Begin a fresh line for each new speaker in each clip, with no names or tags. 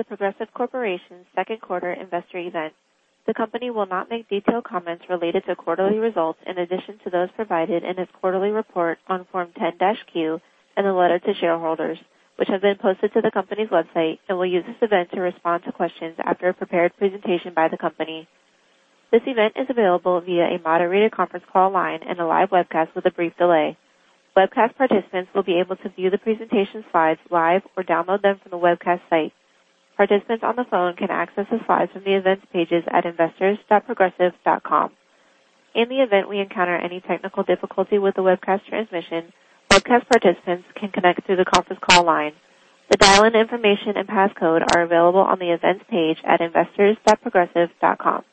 Welcome to The Progressive Corporation second quarter investor event. The company will not make detailed comments related to quarterly results in addition to those provided in its quarterly report on Form 10-Q and a letter to shareholders, which have been posted to the company's website, and will use this event to respond to questions after a prepared presentation by the company. This event is available via a moderated conference call line and a live webcast with a brief delay. Webcast participants will be able to view the presentation slides live or download them from the webcast site. Participants on the phone can access the slides from the Events pages at investors.progressive.com. In the event we encounter any technical difficulty with the webcast transmission, webcast participants can connect through the conference call line. The dial-in information and passcode are available on the Events page at investors.progressive.com.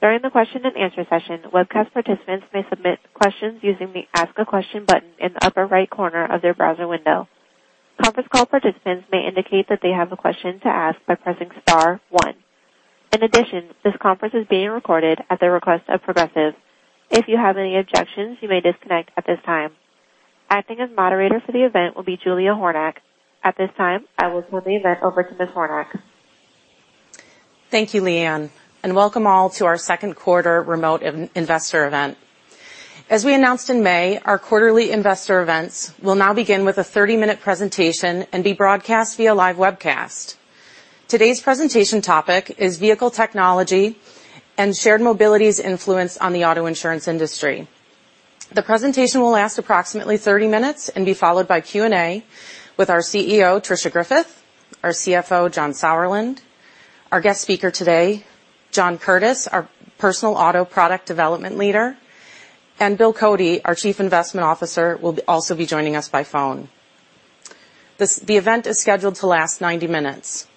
During the question and answer session, webcast participants may submit questions using the Ask a Question button in the upper right corner of their browser window. Conference call participants may indicate that they have a question to ask by pressing star one. In addition, this conference is being recorded at the request of Progressive. If you have any objections, you may disconnect at this time. Acting as moderator for the event will be Julia Hornack. At this time, I will turn the event over to Ms. Hornack.
Thank you, Leanne, and welcome all to our second quarter remote investor event. As we announced in May, our quarterly investor events will now begin with a 30-minute presentation and be broadcast via live webcast. Today's presentation topic is vehicle technology and shared mobility's influence on the auto insurance industry. The presentation will last approximately 30 minutes and be followed by Q&A with our CEO, Tricia Griffith, our CFO, John Sauerland, our guest speaker today, John Curtiss, our Personal Auto Product Development Leader, and William Cody, our Chief Investment Officer, will also be joining us by phone. The event is scheduled to last 90 minutes.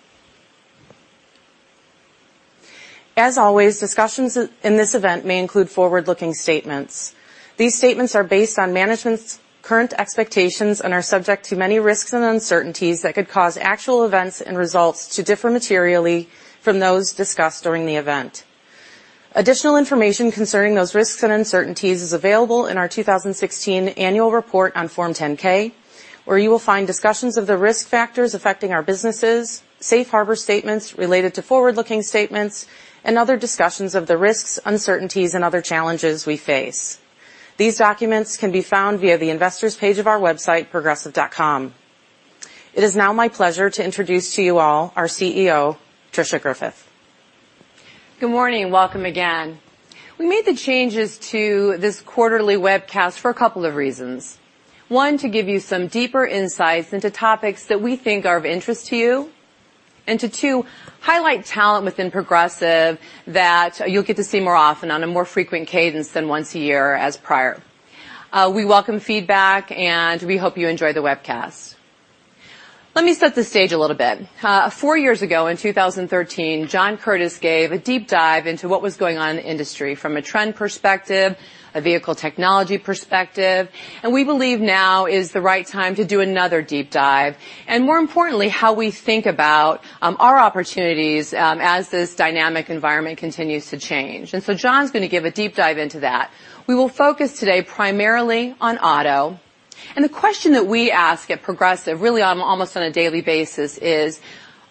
As always, discussions in this event may include forward-looking statements. These statements are based on management's current expectations and are subject to many risks and uncertainties that could cause actual events and results to differ materially from those discussed during the event. Additional information concerning those risks and uncertainties is available in our 2016 Annual Report on Form 10-K, where you will find discussions of the risk factors affecting our businesses, safe harbor statements related to forward-looking statements, and other discussions of the risks, uncertainties, and other challenges we face. These documents can be found via the investors page of our website, progressive.com. It is now my pleasure to introduce to you all our CEO, Tricia Griffith.
Good morning. Welcome again. We made the changes to this quarterly webcast for a couple of reasons. One, to give you some deeper insights into topics that we think are of interest to you, and to two, highlight talent within Progressive that you'll get to see more often on a more frequent cadence than once a year as prior. We welcome feedback, and we hope you enjoy the webcast. Let me set the stage a little bit. Four years ago, in 2013, John Curtiss gave a deep dive into what was going on in the industry from a trend perspective, a vehicle technology perspective, and we believe now is the right time to do another deep dive, and more importantly, how we think about our opportunities as this dynamic environment continues to change. John's going to give a deep dive into that. We will focus today primarily on auto. The question that we ask at Progressive, really on almost on a daily basis is: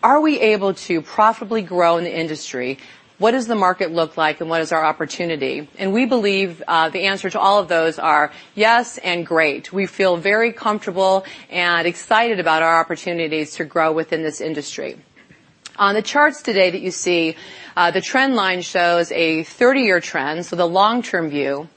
Are we able to profitably grow in the industry? What does the market look like, and what is our opportunity? We believe the answer to all of those are yes and great. We feel very comfortable and excited about our opportunities to grow within this industry. On the charts today that you see, the trend line shows a 30-year trend, so the long-term view.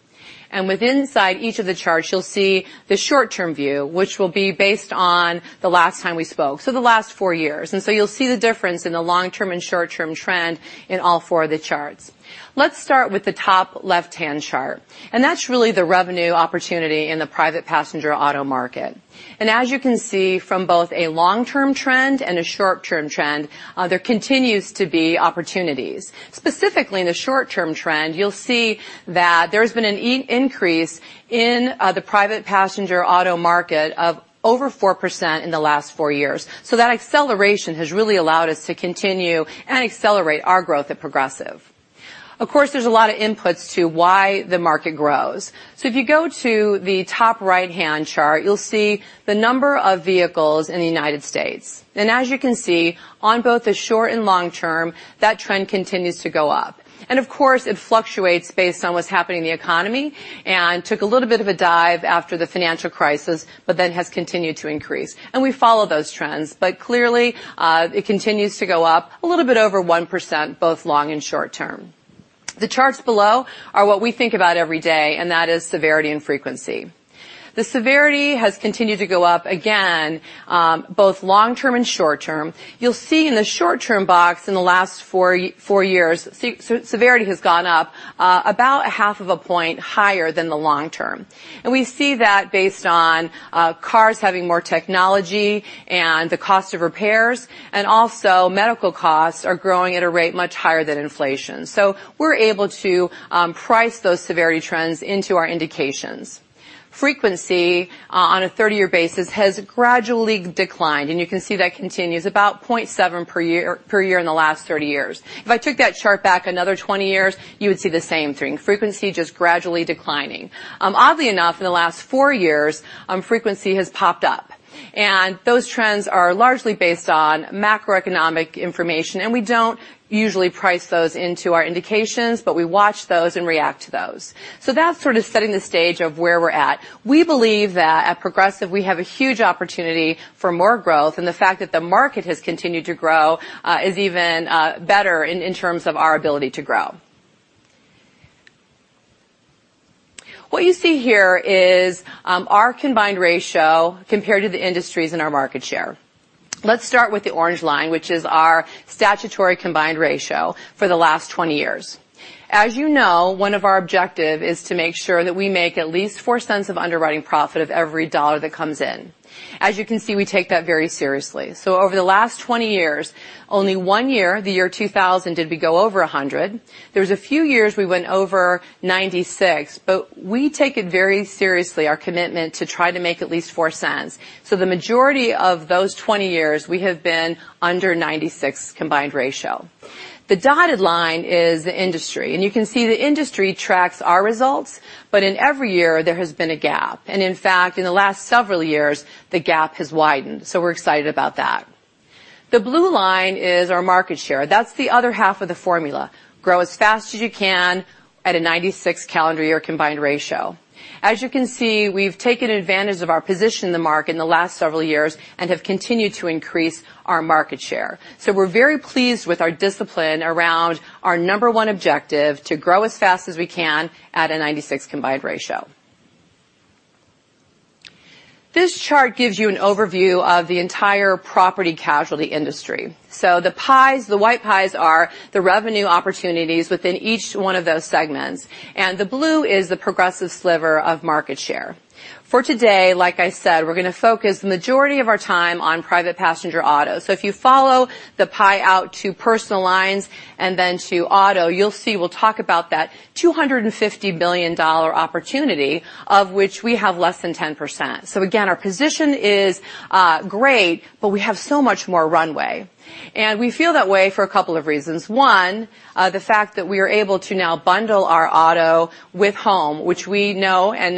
With inside each of the charts, you'll see the short-term view, which will be based on the last time we spoke, so the last four years. You'll see the difference in the long-term and short-term trend in all four of the charts. Let's start with the top left-hand chart, and that's really the revenue opportunity in the private passenger auto market. As you can see from both a long-term trend and a short-term trend, there continues to be opportunities. Specifically in the short-term trend, you'll see that there's been an increase in the private passenger auto market of over 4% in the last four years. That acceleration has really allowed us to continue and accelerate our growth at Progressive. Of course, there's a lot of inputs to why the market grows. If you go to the top right-hand chart, you'll see the number of vehicles in the United States. As you can see on both the short and long term, that trend continues to go up. Of course, it fluctuates based on what's happening in the economy and took a little bit of a dive after the financial crisis, but then has continued to increase. We follow those trends. Clearly, it continues to go up a little bit over 1%, both long and short term. The charts below are what we think about every day, and that is severity and frequency. The severity has continued to go up again both long term and short term. You'll see in the short term box in the last four years, severity has gone up about a half of a point higher than the long term. We see that based on cars having more technology and the cost of repairs and also medical costs are growing at a rate much higher than inflation. We're able to price those severity trends into our indications. Frequency on a 30-year basis has gradually declined, you can see that continues about 0.7 per year in the last 30 years. If I took that chart back another 20 years, you would see the same thing, frequency just gradually declining. Oddly enough, in the last four years, frequency has popped up. Those trends are largely based on macroeconomic information, and we don't usually price those into our indications, but we watch those and react to those. That's sort of setting the stage of where we're at. We believe that at Progressive, we have a huge opportunity for more growth, and the fact that the market has continued to grow is even better in terms of our ability to grow. What you see here is our combined ratio compared to the industries in our market share. Let's start with the orange line, which is our statutory combined ratio for the last 20 years. As you know, one of our objective is to make sure that we make at least $0.04 of underwriting profit of every dollar that comes in. As you can see, we take that very seriously. Over the last 20 years, only one year, the year 2000, did we go over 100. There was a few years we went over 96, but we take it very seriously, our commitment to try to make at least $0.04. The majority of those 20 years, we have been under 96 combined ratio. The dotted line is the industry, you can see the industry tracks our results. In every year, there has been a gap. In fact, in the last several years, the gap has widened. We're excited about that. The blue line is our market share. That's the other half of the formula. Grow as fast as you can at a 96 calendar year combined ratio. As you can see, we've taken advantage of our position in the market in the last several years and have continued to increase our market share. We're very pleased with our discipline around our number one objective, to grow as fast as we can at a 96 combined ratio. This chart gives you an overview of the entire property casualty industry. The pies, the white pies are the revenue opportunities within each one of those segments. The blue is the Progressive sliver of market share. For today, like I said, we're going to focus the majority of our time on private passenger auto. If you follow the pie out to personal lines and then to auto, you'll see we'll talk about that $250 billion opportunity, of which we have less than 10%. Again, our position is great, but we have so much more runway. We feel that way for a couple of reasons. One, the fact that we are able to now bundle our auto with home, which we know and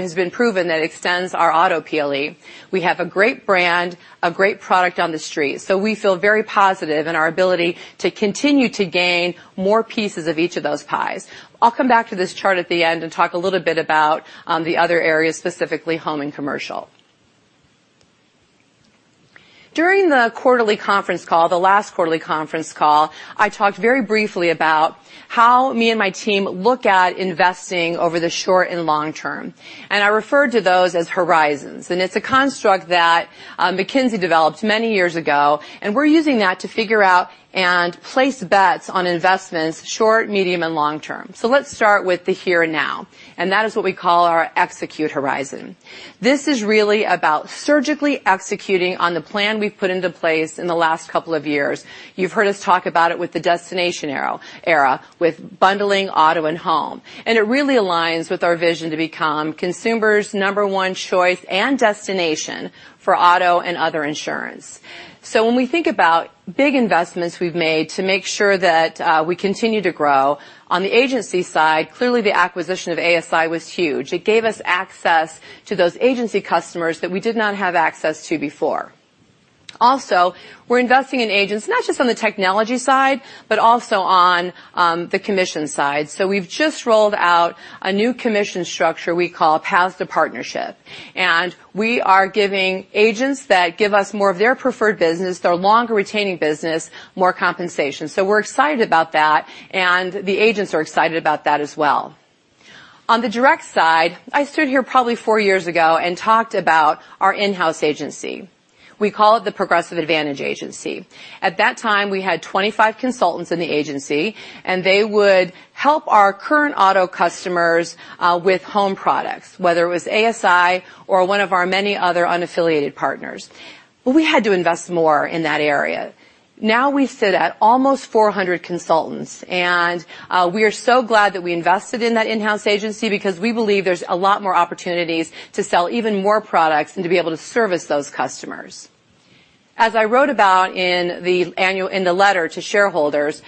has been proven that extends our auto PLE. We have a great brand, a great product on the street. We feel very positive in our ability to continue to gain more pieces of each of those pies. I'll come back to this chart at the end and talk a little bit about the other areas, specifically home and commercial. During the quarterly conference call, the last quarterly conference call, I talked very briefly about how me and my team look at investing over the short and long term, and I referred to those as horizons. It's a construct that McKinsey developed many years ago, and we're using that to figure out and place bets on investments short, medium, and long term. Let's start with the here and now, and that is what we call our execute horizon. This is really about surgically executing on the plan we've put into place in the last couple of years. You've heard us talk about it with the destination era, with bundling auto and home, and it really aligns with our vision to become consumers' number one choice and destination for auto and other insurance. When we think about big investments we've made to make sure that we continue to grow on the agency side, clearly the acquisition of ASI was huge. It gave us access to those agency customers that we did not have access to before. Also, we're investing in agents, not just on the technology side, but also on the commission side. We've just rolled out a new commission structure we call Paths to Partnership, and we are giving agents that give us more of their preferred business, their longer retaining business, more compensation. We're excited about that, and the agents are excited about that as well. On the direct side, I stood here probably four years ago and talked about our in-house agency. We call it the Progressive Advantage Agency. At that time, we had 25 consultants in the agency, and they would help our current auto customers with home products, whether it was ASI or one of our many other unaffiliated partners. We had to invest more in that area. Now we sit at almost 400 consultants, and we are so glad that we invested in that in-house agency because we believe there's a lot more opportunities to sell even more products and to be able to service those customers. As I wrote about in the letter to shareholders,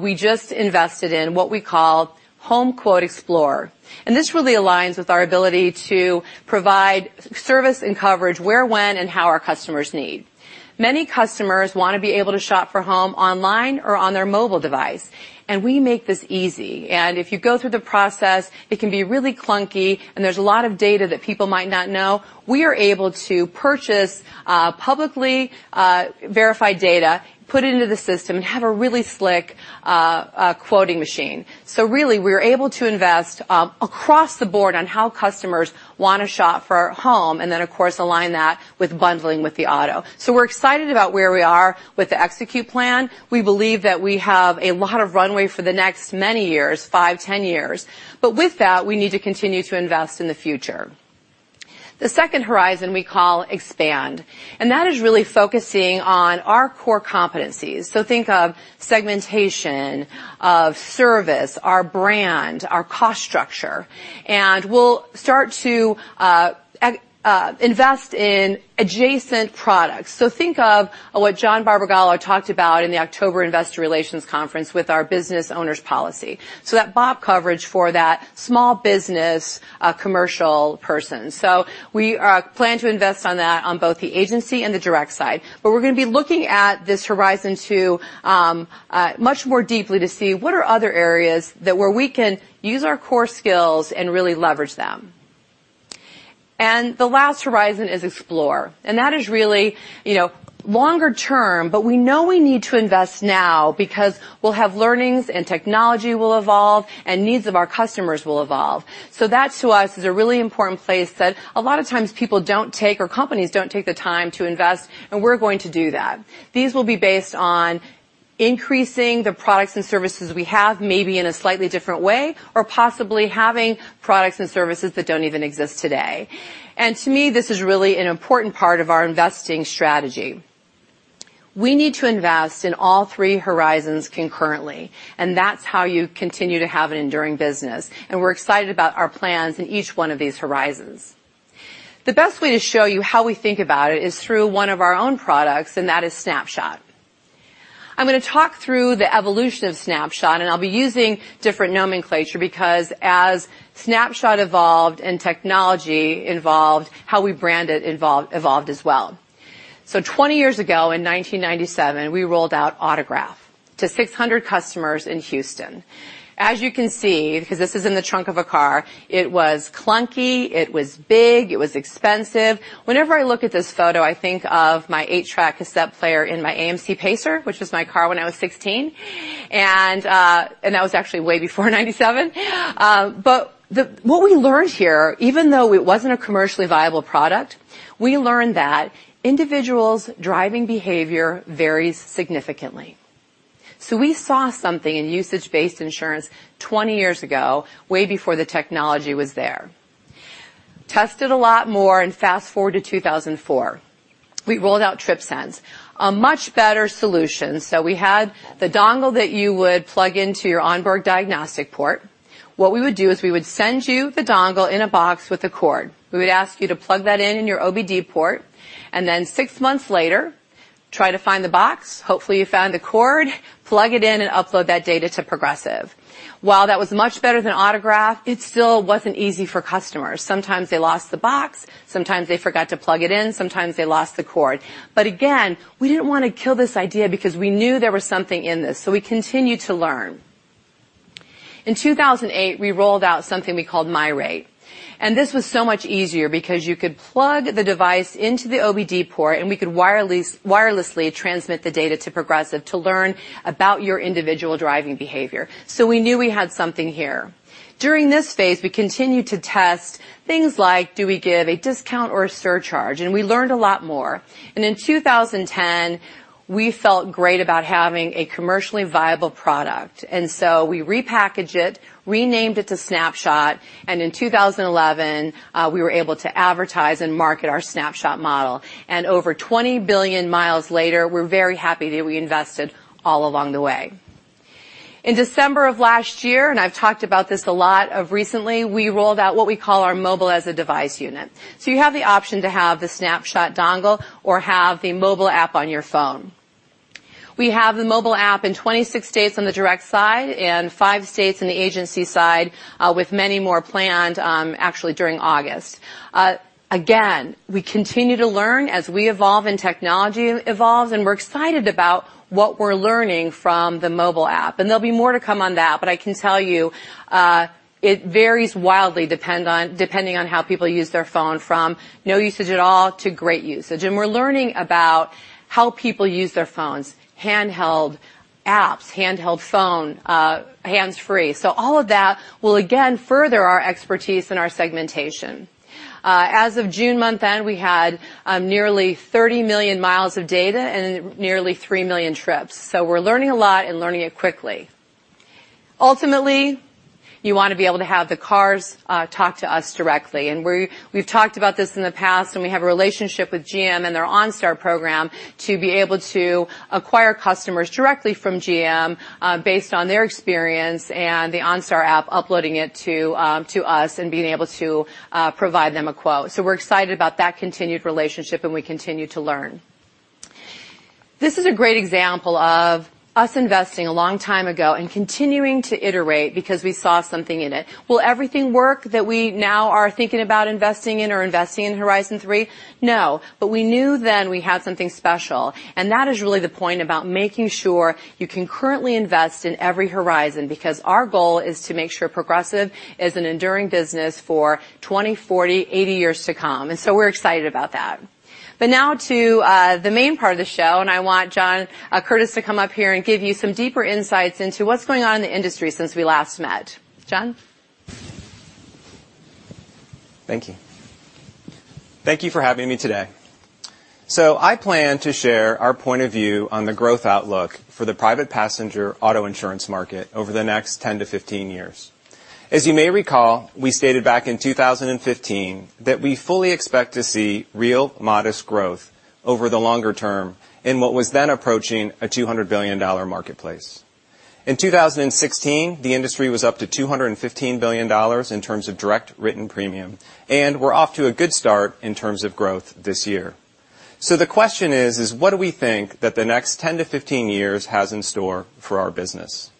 we just invested in what we call Home Quote Explorer, and this really aligns with our ability to provide service and coverage where, when, and how our customers need. Many customers want to be able to shop for home online or on their mobile device, and we make this easy. If you go through the process, it can be really clunky and there's a lot of data that people might not know. We are able to purchase publicly verified data, put it into the system, and have a really slick quoting machine. Really, we're able to invest across the board on how customers want to shop for home, and then of course, align that with bundling with the auto. We're excited about where we are with the execute plan. We believe that we have a lot of runway for the next many years, five, 10 years. With that, we need to continue to invest in the future. The second horizon we call expand, and that is really focusing on our core competencies. Think of segmentation of service, our brand, our cost structure, and we'll start to invest in adjacent products. Think of what John Barbagallo talked about in the October investor relations conference with our business owner's policy. That BOP coverage for that small business commercial person. We plan to invest on that on both the agency and the direct side. We're going to be looking at this horizon 2 much more deeply to see what are other areas that where we can use our core skills and really leverage them. The last horizon is explore. That is really longer term, but we know we need to invest now because we'll have learnings and technology will evolve and needs of our customers will evolve. That to us is a really important place that a lot of times people don't take, or companies don't take the time to invest, and we're going to do that. These will be based on increasing the products and services we have, maybe in a slightly different way, or possibly having products and services that don't even exist today. To me, this is really an important part of our investing strategy. We need to invest in all 3 horizons concurrently, that's how you continue to have an enduring business. We're excited about our plans in each one of these horizons. The best way to show you how we think about it is through one of our own products, that is Snapshot. I'm going to talk through the evolution of Snapshot, I'll be using different nomenclature because as Snapshot evolved and technology evolved, how we brand it evolved as well. 20 years ago, in 1997, we rolled out Autograph to 600 customers in Houston. You can see, because this is in the trunk of a car, it was clunky, it was big, it was expensive. Whenever I look at this photo, I think of my 8-track cassette player in my AMC Pacer, which was my car when I was 16, that was actually way before 1997. What we learned here, even though it wasn't a commercially viable product, we learned that individuals' driving behavior varies significantly. We saw something in usage-based insurance 20 years ago, way before the technology was there. Tested a lot more, fast-forward to 2004. We rolled out TripSense, a much better solution. We had the dongle that you would plug into your onboard diagnostic port. We would do is we would send you the dongle in a box with a cord. We would ask you to plug that in in your OBD port, then six months later, try to find the box, hopefully you found the cord, plug it in, upload that data to Progressive. While that was much better than Autograph, it still wasn't easy for customers. Sometimes they lost the box, sometimes they forgot to plug it in, sometimes they lost the cord. Again, we didn't want to kill this idea because we knew there was something in this, we continued to learn. In 2008, we rolled out something we called MyRate. This was so much easier because you could plug the device into the OBD port, we could wirelessly transmit the data to Progressive to learn about your individual driving behavior. We knew we had something here. During this phase, we continued to test things like, do we give a discount or a surcharge? We learned a lot more. In 2010, we felt great about having a commercially viable product. We repackaged it, renamed it to Snapshot, and in 2011, we were able to advertise and market our Snapshot model. Over 20 billion miles later, we're very happy that we invested all along the way. In December of last year, I've talked about this a lot recently, we rolled out what we call our mobile as a device unit. So you have the option to have the Snapshot dongle or have the mobile app on your phone. We have the mobile app in 26 states on the direct side and five states in the agency side, with many more planned actually during August. Again, we continue to learn as we evolve and technology evolves, we're excited about what we're learning from the mobile app. There'll be more to come on that, but I can tell you it varies wildly depending on how people use their phone, from no usage at all to great usage. We're learning about how people use their phones, handheld apps, handheld phone, hands-free. All of that will again further our expertise and our segmentation. As of June month end, we had nearly 30 million miles of data and nearly 3 million trips. We're learning a lot and learning it quickly. Ultimately, you want to be able to have the cars talk to us directly. We've talked about this in the past. We have a relationship with GM and their OnStar program to be able to acquire customers directly from GM based on their experience and the OnStar app uploading it to us and being able to provide them a quote. We're excited about that continued relationship. We continue to learn. This is a great example of us investing a long time ago and continuing to iterate because we saw something in it. Will everything work that we now are thinking about investing in or investing in Horizon 3? No. We knew then we had something special, and that is really the point about making sure you can currently invest in every horizon because our goal is to make sure Progressive is an enduring business for 20, 40, 80 years to come. We're excited about that. Now to the main part of the show. I want John Curtiss to come up here and give you some deeper insights into what's going on in the industry since we last met. John?
Thank you. Thank you for having me today. I plan to share our point of view on the growth outlook for the private passenger auto insurance market over the next 10 to 15 years. As you may recall, we stated back in 2015 that we fully expect to see real modest growth over the longer term in what was then approaching a $200 billion marketplace. In 2016, the industry was up to $215 billion in terms of direct written premium, and we're off to a good start in terms of growth this year. The question is, what do we think that the next 10 to 15 years has in store for our business?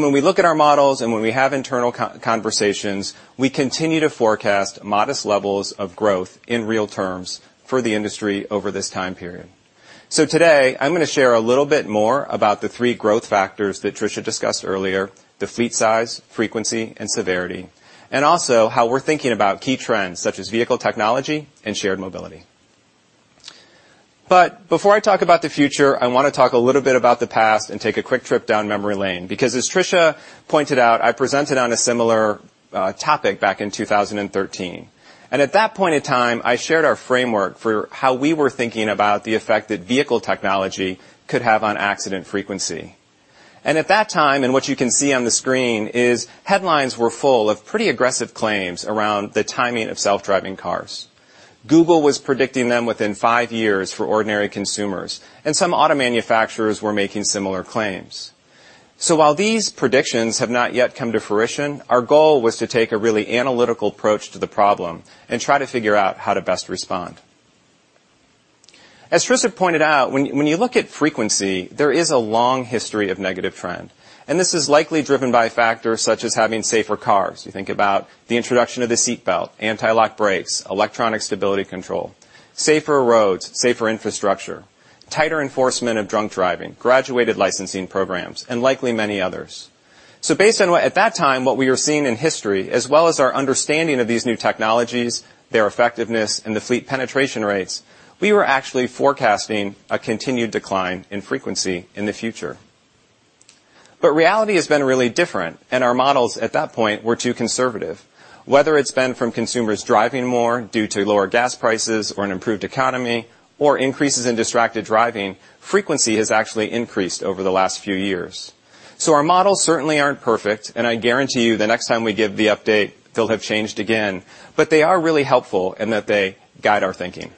When we look at our models and when we have internal conversations, we continue to forecast modest levels of growth in real terms for the industry over this time period. Today, I'm going to share a little bit more about the three growth factors that Tricia discussed earlier, the fleet size, frequency, and severity, and also how we're thinking about key trends such as vehicle technology and shared mobility. Before I talk about the future, I want to talk a little bit about the past and take a quick trip down memory lane, because as Tricia pointed out, I presented on a similar topic back in 2013. At that point in time, I shared our framework for how we were thinking about the effect that vehicle technology could have on accident frequency. At that time, and what you can see on the screen is headlines were full of pretty aggressive claims around the timing of self-driving cars. Google was predicting them within five years for ordinary consumers, and some auto manufacturers were making similar claims. While these predictions have not yet come to fruition, our goal was to take a really analytical approach to the problem and try to figure out how to best respond. As Tricia pointed out, when you look at frequency, there is a long history of negative trend, and this is likely driven by factors such as having safer cars. You think about the introduction of the seatbelt, anti-lock brakes, electronic stability control, safer roads, safer infrastructure, tighter enforcement of drunk driving, graduated licensing programs, and likely many others. Based on at that time, what we were seeing in history, as well as our understanding of these new technologies, their effectiveness, and the fleet penetration rates, we were actually forecasting a continued decline in frequency in the future. Reality has been really different, and our models at that point were too conservative. Whether it's been from consumers driving more due to lower gas prices or an improved economy or increases in distracted driving, frequency has actually increased over the last few years. Our models certainly aren't perfect, and I guarantee you the next time we give the update, they'll have changed again, but they are really helpful in that they guide our thinking.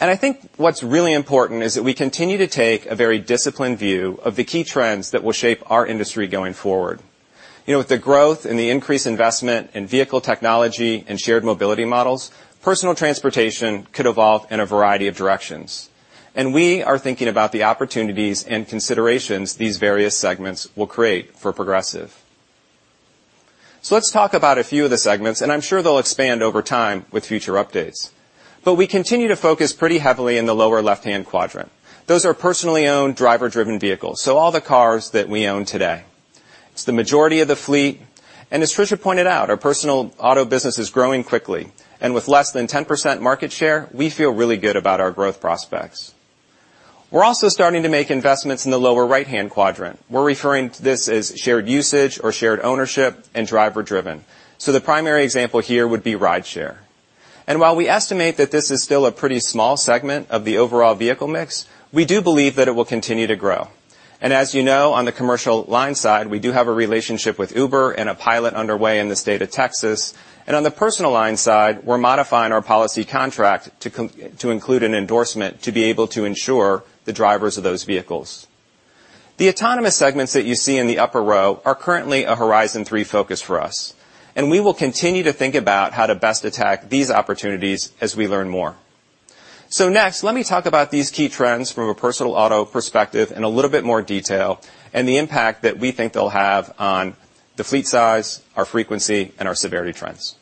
I think what's really important is that we continue to take a very disciplined view of the key trends that will shape our industry going forward. With the growth and the increased investment in vehicle technology and shared mobility models, personal transportation could evolve in a variety of directions, and we are thinking about the opportunities and considerations these various segments will create for Progressive. Let's talk about a few of the segments, and I'm sure they'll expand over time with future updates. We continue to focus pretty heavily in the lower left-hand quadrant. Those are personally-owned, driver-driven vehicles, so all the cars that we own today. It's the majority of the fleet, and as Tricia pointed out, our personal auto business is growing quickly. With less than 10% market share, we feel really good about our growth prospects. We're also starting to make investments in the lower right-hand quadrant. We're referring to this as shared usage or shared ownership and driver-driven. The primary example here would be rideshare. While we estimate that this is still a pretty small segment of the overall vehicle mix, we do believe that it will continue to grow. As you know, on the commercial line side, we do have a relationship with Uber and a pilot underway in the state of Texas. On the personal line side, we're modifying our policy contract to include an endorsement to be able to insure the drivers of those vehicles. The autonomous segments that you see in the upper row are currently a Horizon Three focus for us, and we will continue to think about how to best attack these opportunities as we learn more. Next, let me talk about these key trends from a personal auto perspective in a little bit more detail and the impact that we think they'll have on the fleet size, our frequency, and our severity trends.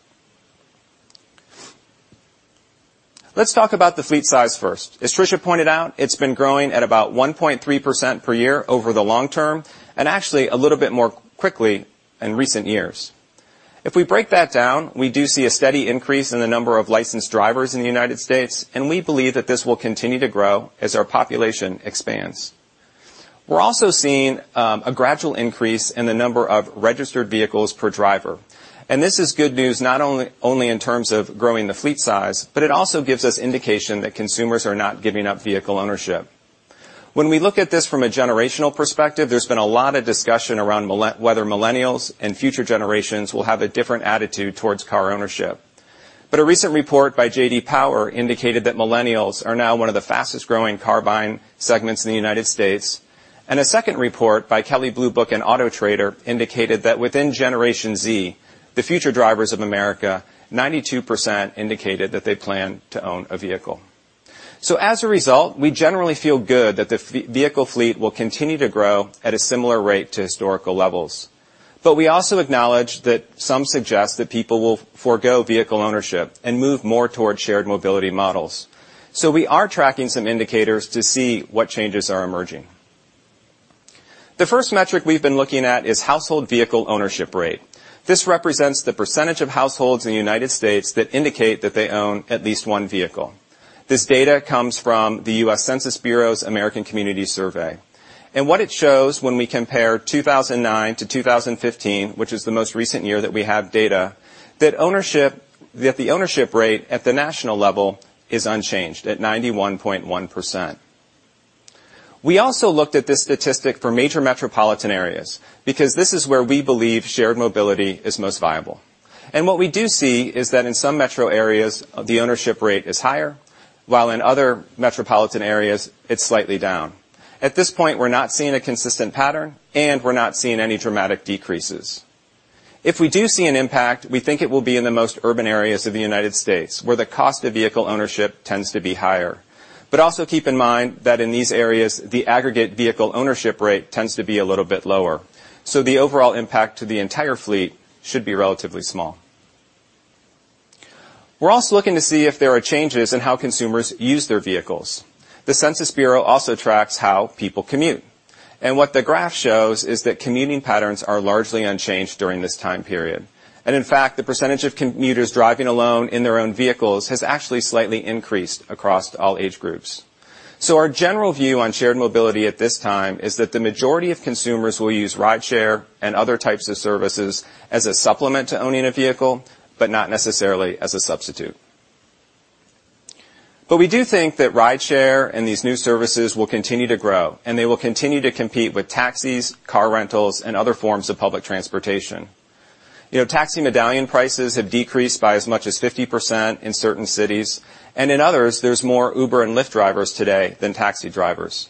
Let's talk about the fleet size first. As Tricia pointed out, it's been growing at about 1.3% per year over the long term and actually a little bit more quickly in recent years. If we break that down, we do see a steady increase in the number of licensed drivers in the United States, and we believe that this will continue to grow as our population expands. We're also seeing a gradual increase in the number of registered vehicles per driver, and this is good news not only in terms of growing the fleet size, but it also gives us indication that consumers are not giving up vehicle ownership. When we look at this from a generational perspective, there's been a lot of discussion around whether millennials and future generations will have a different attitude towards car ownership. A recent report by J.D. Power indicated that millennials are now one of the fastest-growing car-buying segments in the United States. A second report by Kelley Blue Book and Autotrader indicated that within Generation Z, the future drivers of America, 92% indicated that they plan to own a vehicle. As a result, we generally feel good that the vehicle fleet will continue to grow at a similar rate to historical levels. We also acknowledge that some suggest that people will forego vehicle ownership and move more towards shared mobility models. We are tracking some indicators to see what changes are emerging. The first metric we've been looking at is household vehicle ownership rate. This represents the percentage of households in the United States that indicate that they own at least one vehicle. This data comes from the U.S. Census Bureau's American Community Survey. What it shows when we compare 2009 to 2015, which is the most recent year that we have data, that the ownership rate at the national level is unchanged at 91.1%. We also looked at this statistic for major metropolitan areas because this is where we believe shared mobility is most viable. What we do see is that in some metro areas, the ownership rate is higher, while in other metropolitan areas, it's slightly down. At this point, we're not seeing a consistent pattern, and we're not seeing any dramatic decreases. If we do see an impact, we think it will be in the most urban areas of the U.S., where the cost of vehicle ownership tends to be higher. Also keep in mind that in these areas, the aggregate vehicle ownership rate tends to be a little bit lower. The overall impact to the entire fleet should be relatively small. We're also looking to see if there are changes in how consumers use their vehicles. The Census Bureau also tracks how people commute. What the graph shows is that commuting patterns are largely unchanged during this time period. In fact, the percentage of commuters driving alone in their own vehicles has actually slightly increased across all age groups. Our general view on shared mobility at this time is that the majority of consumers will use rideshare and other types of services as a supplement to owning a vehicle, but not necessarily as a substitute. We do think that rideshare and these new services will continue to grow, and they will continue to compete with taxis, car rentals, and other forms of public transportation. Taxi medallion prices have decreased by as much as 50% in certain cities, and in others, there's more Uber and Lyft drivers today than taxi drivers.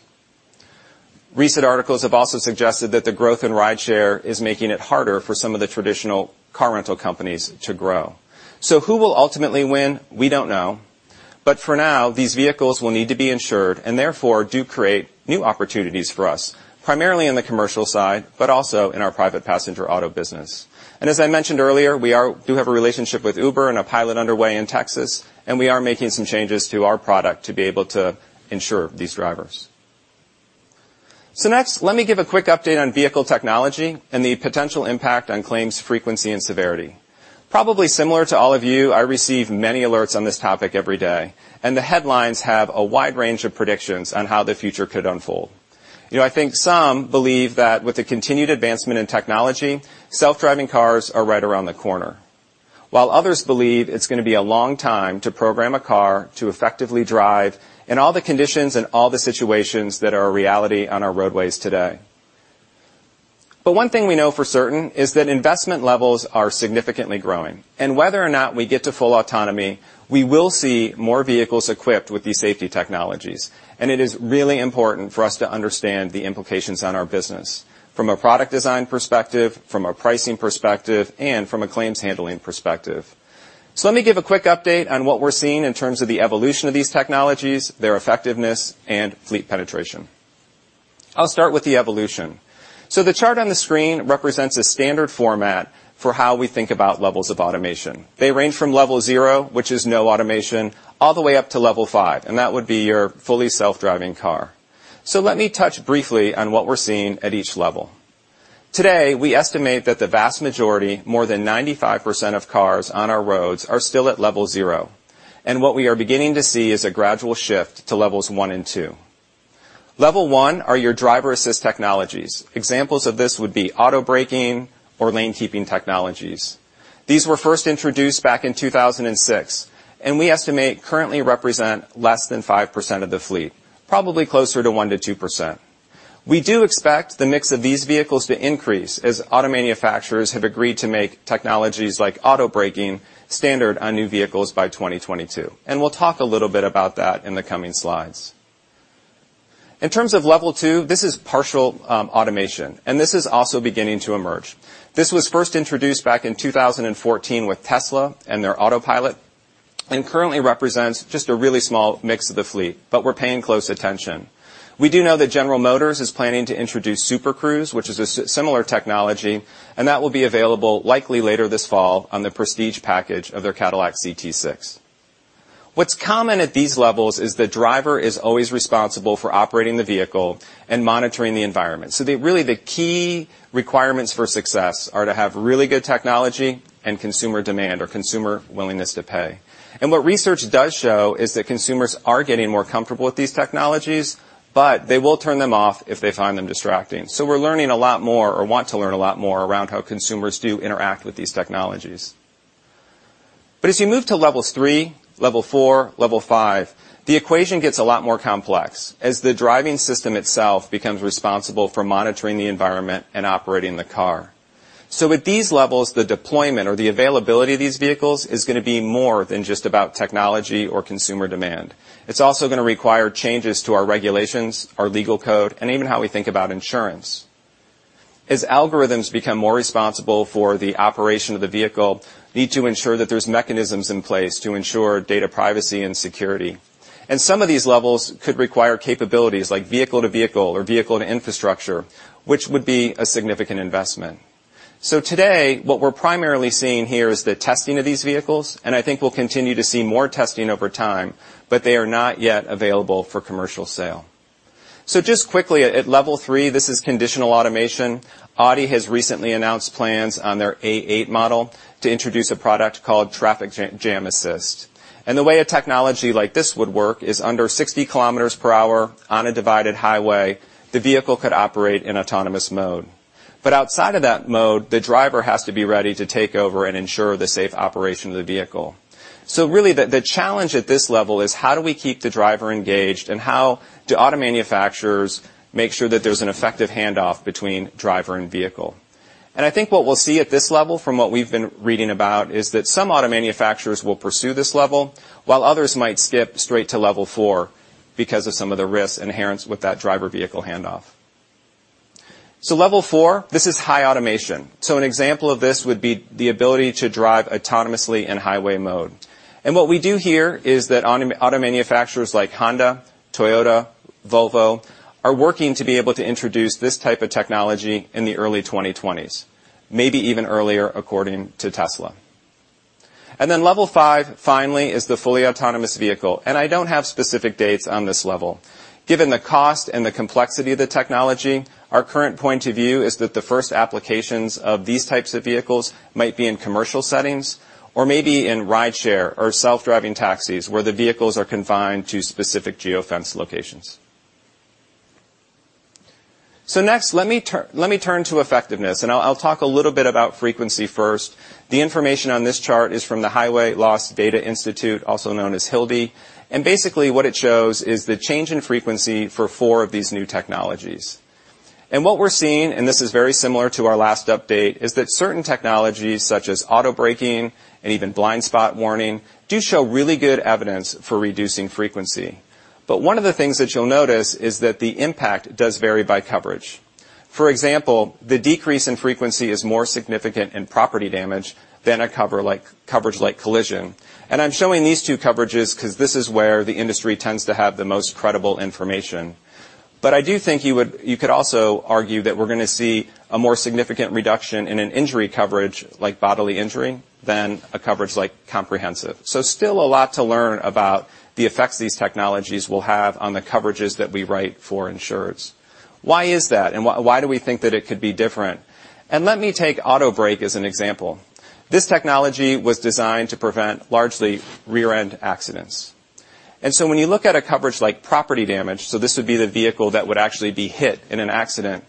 Recent articles have also suggested that the growth in rideshare is making it harder for some of the traditional car rental companies to grow. Who will ultimately win? We don't know. For now, these vehicles will need to be insured, and therefore, do create new opportunities for us, primarily in the commercial side, but also in our private passenger auto business. As I mentioned earlier, we do have a relationship with Uber and a pilot underway in Texas, and we are making some changes to our product to be able to insure these drivers. Next, let me give a quick update on vehicle technology and the potential impact on claims frequency and severity. Probably similar to all of you, I receive many alerts on this topic every day, and the headlines have a wide range of predictions on how the future could unfold. I think some believe that with the continued advancement in technology, self-driving cars are right around the corner, while others believe it's going to be a long time to program a car to effectively drive in all the conditions and all the situations that are a reality on our roadways today. One thing we know for certain is that investment levels are significantly growing. Whether or not we get to full autonomy, we will see more vehicles equipped with these safety technologies. It is really important for us to understand the implications on our business from a product design perspective, from a pricing perspective, and from a claims handling perspective. Let me give a quick update on what we're seeing in terms of the evolution of these technologies, their effectiveness, and fleet penetration. I'll start with the evolution. The chart on the screen represents a standard format for how we think about levels of automation. They range from level 0, which is no automation, all the way up to level 5, and that would be your fully self-driving car. Let me touch briefly on what we're seeing at each level. Today, we estimate that the vast majority, more than 95% of cars on our roads are still at level 0. What we are beginning to see is a gradual shift to levels 1 and 2. Level 1 are your driver-assist technologies. Examples of this would be auto-braking or lane-keeping technologies. These were first introduced back in 2006. We estimate currently represent less than 5% of the fleet, probably closer to 1%-2%. We do expect the mix of these vehicles to increase as auto manufacturers have agreed to make technologies like auto-braking standard on new vehicles by 2022. We'll talk a little bit about that in the coming slides. In terms of level 2, this is partial automation. This is also beginning to emerge. This was first introduced back in 2014 with Tesla and their Autopilot, and currently represents just a really small mix of the fleet, but we're paying close attention. We do know that General Motors is planning to introduce Super Cruise, which is a similar technology, and that will be available likely later this fall on the prestige package of their Cadillac CT6. What's common at these levels is the driver is always responsible for operating the vehicle and monitoring the environment. Really the key requirements for success are to have really good technology and consumer demand or consumer willingness to pay. What research does show is that consumers are getting more comfortable with these technologies, but they will turn them off if they find them distracting. We're learning a lot more or want to learn a lot more around how consumers do interact with these technologies. As you move to levels 3, level 4, level 5, the equation gets a lot more complex as the driving system itself becomes responsible for monitoring the environment and operating the car. At these levels, the deployment or the availability of these vehicles is going to be more than just about technology or consumer demand. It's also going to require changes to our regulations, our legal code, and even how we think about insurance. As algorithms become more responsible for the operation of the vehicle, we need to ensure that there's mechanisms in place to ensure data privacy and security. Some of these levels could require capabilities like vehicle-to-vehicle or vehicle-to-infrastructure, which would be a significant investment. Today, what we're primarily seeing here is the testing of these vehicles. I think we'll continue to see more testing over time, but they are not yet available for commercial sale. Just quickly, at level 3, this is conditional automation. Audi has recently announced plans on their A8 model to introduce a product called Traffic Jam Assist. The way a technology like this would work is under 60 km per hour on a divided highway, the vehicle could operate in autonomous mode. Outside of that mode, the driver has to be ready to take over and ensure the safe operation of the vehicle. Really the challenge at this level is how do we keep the driver engaged and how do auto manufacturers make sure that there's an effective handoff between driver and vehicle? I think what we'll see at this level, from what we've been reading about, is that some auto manufacturers will pursue this level, while others might skip straight to level 4 because of some of the risks inherent with that driver-vehicle handoff. Level 4, this is high automation. An example of this would be the ability to drive autonomously in highway mode. What we do hear is that auto manufacturers like Honda, Toyota, Volvo are working to be able to introduce this type of technology in the early 2020s, maybe even earlier according to Tesla. Level 5, finally, is the fully autonomous vehicle. I don't have specific dates on this level. Given the cost and the complexity of the technology, our current point of view is that the first applications of these types of vehicles might be in commercial settings, or maybe in rideshare or self-driving taxis, where the vehicles are confined to specific geo-fence locations. Next, let me turn to effectiveness, and I'll talk a little bit about frequency first. The information on this chart is from the Highway Loss Data Institute, also known as HLDI. Basically what it shows is the change in frequency for 4 of these new technologies. What we're seeing, and this is very similar to our last update, is that certain technologies such as auto braking and even blind spot warning do show really good evidence for reducing frequency. One of the things that you'll notice is that the impact does vary by coverage. For example, the decrease in frequency is more significant in property damage than a coverage like collision. I'm showing these two coverages because this is where the industry tends to have the most credible information. I do think you could also argue that we're going to see a more significant reduction in an injury coverage, like bodily injury, than a coverage like comprehensive. Still a lot to learn about the effects these technologies will have on the coverages that we write for insurers. Why is that? Why do we think that it could be different? Let me take auto brake as an example. This technology was designed to prevent largely rear-end accidents. When you look at a coverage like property damage, so this would be the vehicle that would actually be hit in an accident,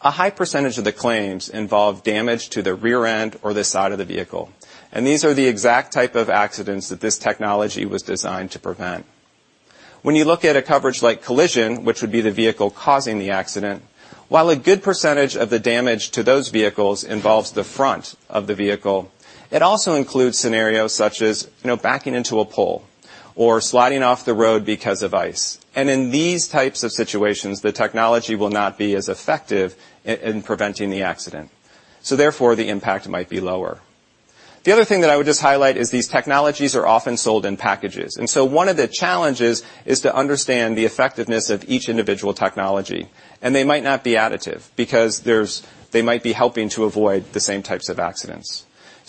a high percentage of the claims involve damage to the rear end or the side of the vehicle. These are the exact type of accidents that this technology was designed to prevent. When you look at a coverage like collision, which would be the vehicle causing the accident, while a good percentage of the damage to those vehicles involves the front of the vehicle, it also includes scenarios such as backing into a pole or sliding off the road because of ice. In these types of situations, the technology will not be as effective in preventing the accident, so therefore, the impact might be lower. The other thing that I would just highlight is these technologies are often sold in packages. One of the challenges is to understand the effectiveness of each individual technology. They might not be additive because they might be helping to avoid the same types of accidents.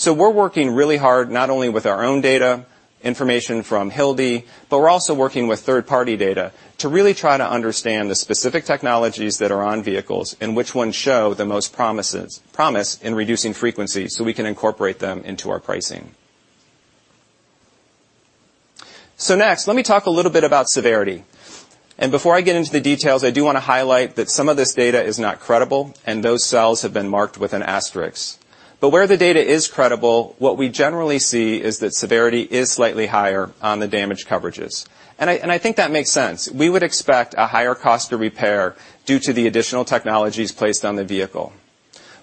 We're working really hard, not only with our own data, information from HLDI, but we're also working with third-party data to really try to understand the specific technologies that are on vehicles and which ones show the most promise in reducing frequency, so we can incorporate them into our pricing. Next, let me talk a little bit about severity. Before I get into the details, I do want to highlight that some of this data is not credible, and those cells have been marked with an asterisk. Where the data is credible, what we generally see is that severity is slightly higher on the damage coverages. I think that makes sense. We would expect a higher cost of repair due to the additional technologies placed on the vehicle.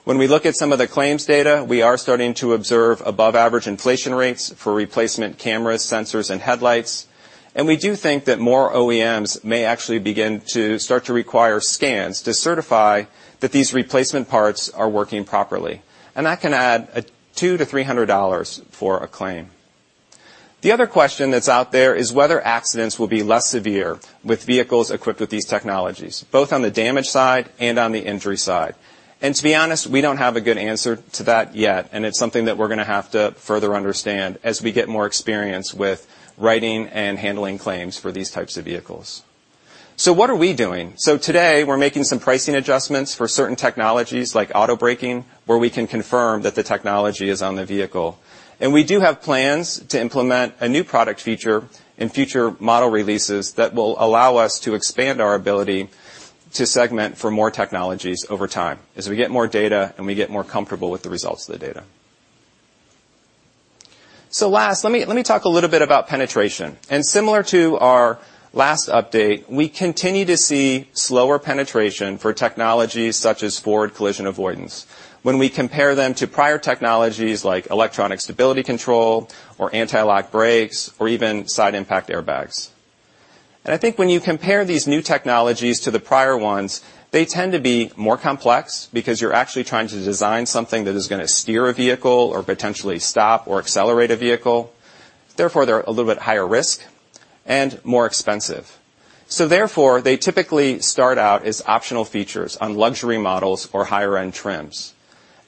When we look at some of the claims data, we are starting to observe above-average inflation rates for replacement cameras, sensors, and headlights. We do think that more OEMs may actually begin to start to require scans to certify that these replacement parts are working properly. That can add $200-$300 for a claim. The other question that's out there is whether accidents will be less severe with vehicles equipped with these technologies, both on the damage side and on the injury side. To be honest, we don't have a good answer to that yet, and it's something that we're going to have to further understand as we get more experience with writing and handling claims for these types of vehicles. What are we doing? Today, we're making some pricing adjustments for certain technologies like auto braking, where we can confirm that the technology is on the vehicle. We do have plans to implement a new product feature in future model releases that will allow us to expand our ability to segment for more technologies over time as we get more data and we get more comfortable with the results of the data. Last, let me talk a little bit about penetration. Similar to our last update, we continue to see slower penetration for technologies such as forward collision avoidance when we compare them to prior technologies like electronic stability control or anti-lock brakes, or even side impact airbags. I think when you compare these new technologies to the prior ones, they tend to be more complex because you're actually trying to design something that is going to steer a vehicle or potentially stop or accelerate a vehicle. Therefore, they're a little bit higher risk and more expensive. Therefore, they typically start out as optional features on luxury models or higher-end trims.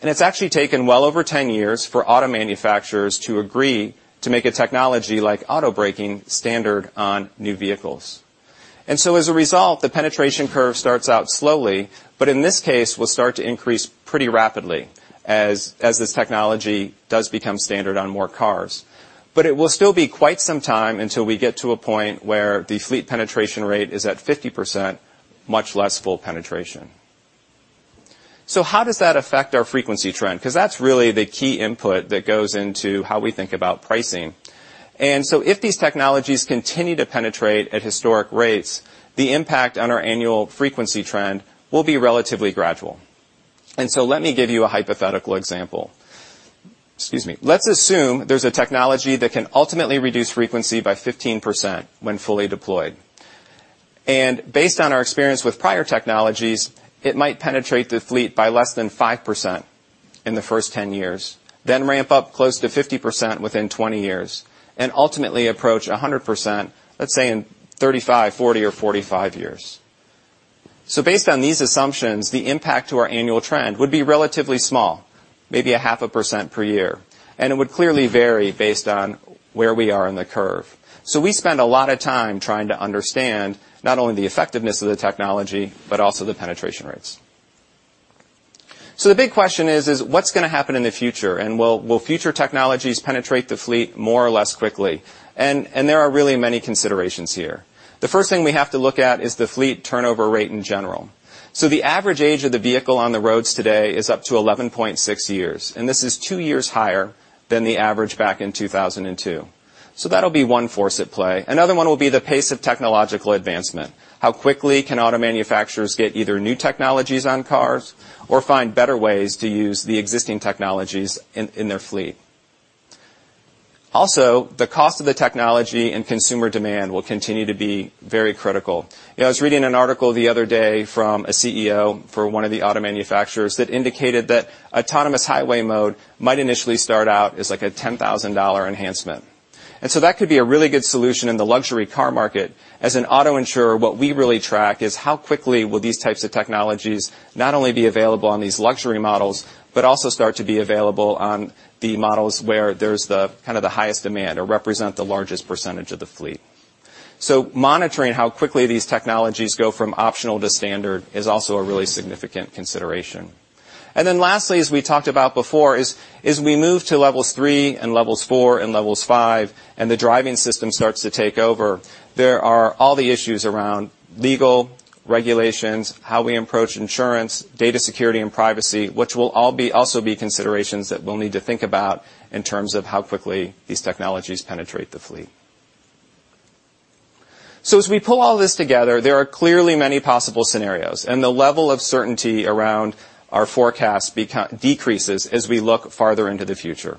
It's actually taken well over 10 years for auto manufacturers to agree to make a technology like auto braking standard on new vehicles. As a result, the penetration curve starts out slowly, but in this case, will start to increase pretty rapidly as this technology does become standard on more cars. It will still be quite some time until we get to a point where the fleet penetration rate is at 50%, much less full penetration. How does that affect our frequency trend? Because that's really the key input that goes into how we think about pricing. If these technologies continue to penetrate at historic rates, the impact on our annual frequency trend will be relatively gradual. Let me give you a hypothetical example. Excuse me. Let's assume there's a technology that can ultimately reduce frequency by 15% when fully deployed. Based on our experience with prior technologies, it might penetrate the fleet by less than 5% in the first 10 years, then ramp up close to 50% within 20 years, and ultimately approach 100%, let's say in 35, 40, or 45 years. Based on these assumptions, the impact to our annual trend would be relatively small, maybe a half a percent per year, and it would clearly vary based on where we are in the curve. We spend a lot of time trying to understand not only the effectiveness of the technology, but also the penetration rates. The big question is: what's going to happen in the future, and will future technologies penetrate the fleet more or less quickly? There are really many considerations here. The first thing we have to look at is the fleet turnover rate in general. The average age of the vehicle on the roads today is up to 11.6 years, and this is two years higher than the average back in 2002. That'll be one force at play. Another one will be the pace of technological advancement. How quickly can auto manufacturers get either new technologies on cars or find better ways to use the existing technologies in their fleet? Also, the cost of the technology and consumer demand will continue to be very critical. I was reading an article the other day from a CEO for one of the auto manufacturers that indicated that autonomous highway mode might initially start out as a $10,000 enhancement. That could be a really good solution in the luxury car market. As an auto insurer, what we really track is how quickly will these types of technologies not only be available on these luxury models, but also start to be available on the models where there's the highest demand or represent the largest percentage of the fleet. Monitoring how quickly these technologies go from optional to standard is also a really significant consideration. Lastly, as we talked about before, is we move to levels 3 and levels 4 and levels 5, and the driving system starts to take over. There are all the issues around legal regulations, how we approach insurance, data security, and privacy, which will also be considerations that we'll need to think about in terms of how quickly these technologies penetrate the fleet. As we pull all this together, there are clearly many possible scenarios, and the level of certainty around our forecast decreases as we look farther into the future.